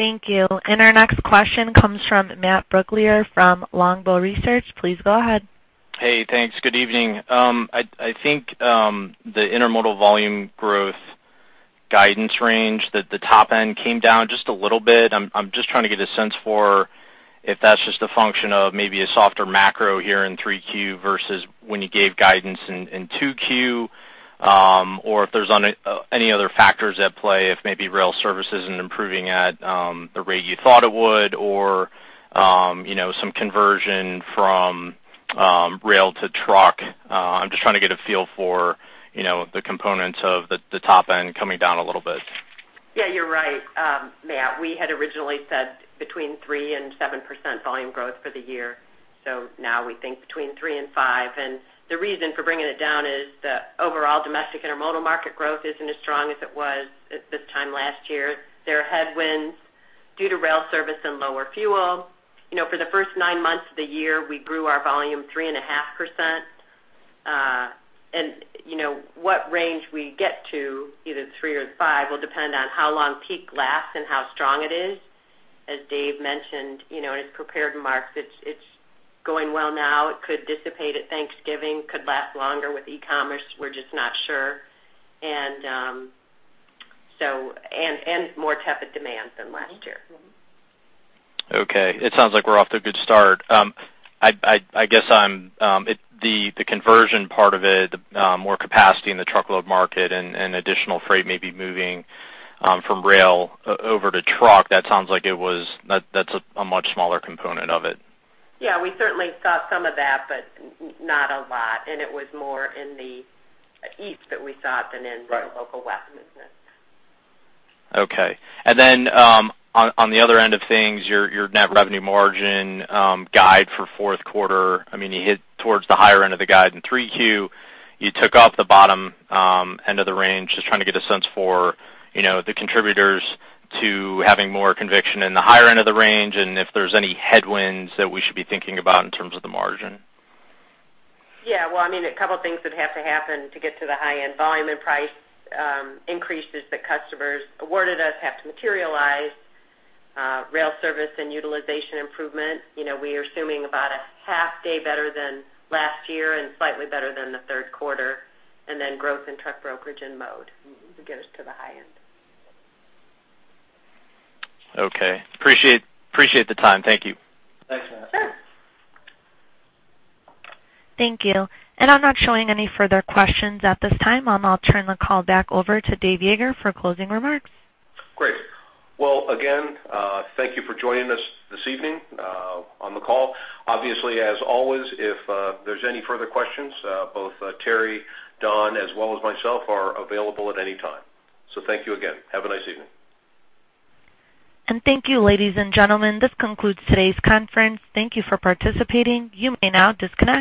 Thank you. Our next question comes from Matt Brooklier from Longbow Research. Please go ahead. Hey, thanks. Good evening. I think the intermodal volume growth guidance range that the top end came down just a little bit. I'm just trying to get a sense for if that's just a function of maybe a softer macro here in 3Q versus when you gave guidance in 2Q, or if there's any other factors at play, if maybe rail services isn't improving at the rate you thought it would, or you know, some conversion from rail to truck. I'm just trying to get a feel for, you know, the components of the top end coming down a little bit. Yeah, you're right, Matt, we had originally said between 3%-7% volume growth for the year. So now we think between 3%-5%. And the reason for bringing it down is the overall domestic intermodal market growth isn't as strong as it was at this time last year. There are headwinds due to rail service and lower fuel. You know, for the first nine months of the year, we grew our volume 3.5%. And, you know, what range we get to, either 3% or 5%, will depend on how long peak lasts and how strong it is. As Dave mentioned, you know, in his prepared remarks, it's going well now. It could dissipate at Thanksgiving, could last longer with e-commerce. We're just not sure. And more tepid demand than last year. Okay, it sounds like we're off to a good start. I guess it's the conversion part of it, more capacity in the truckload market and additional freight may be moving from rail over to truck. That sounds like it was. That's a much smaller component of it. Yeah, we certainly saw some of that, but not a lot, and it was more in the East that we saw it than in. Right The Local West business. Okay. And then, on the other end of things, your net revenue margin guide for fourth quarter, I mean, you hit towards the higher end of the guide in 3Q. You took off the bottom end of the range. Just trying to get a sense for, you know, the contributors to having more conviction in the higher end of the range, and if there's any headwinds that we should be thinking about in terms of the margin. Yeah, well, I mean, a couple of things that have to happen to get to the high end. Volume and price increases that customers awarded us have to materialize, rail service and utilization improvement. You know, we are assuming about a half day better than last year and slightly better than the third quarter, and then growth in truck brokerage and mode to get us to the high end. Okay. Appreciate, appreciate the time. Thank you. Thanks, Matt. Sure. Thank you. I'm not showing any further questions at this time. I'll turn the call back over to Dave Yeager for closing remarks. Great. Well, again, thank you for joining us this evening on the call. Obviously, as always, if there's any further questions, both Terri, Don, as well as myself, are available at any time. So thank you again. Have a nice evening. Thank you, ladies and gentlemen. This concludes today's conference. Thank you for participating. You may now disconnect.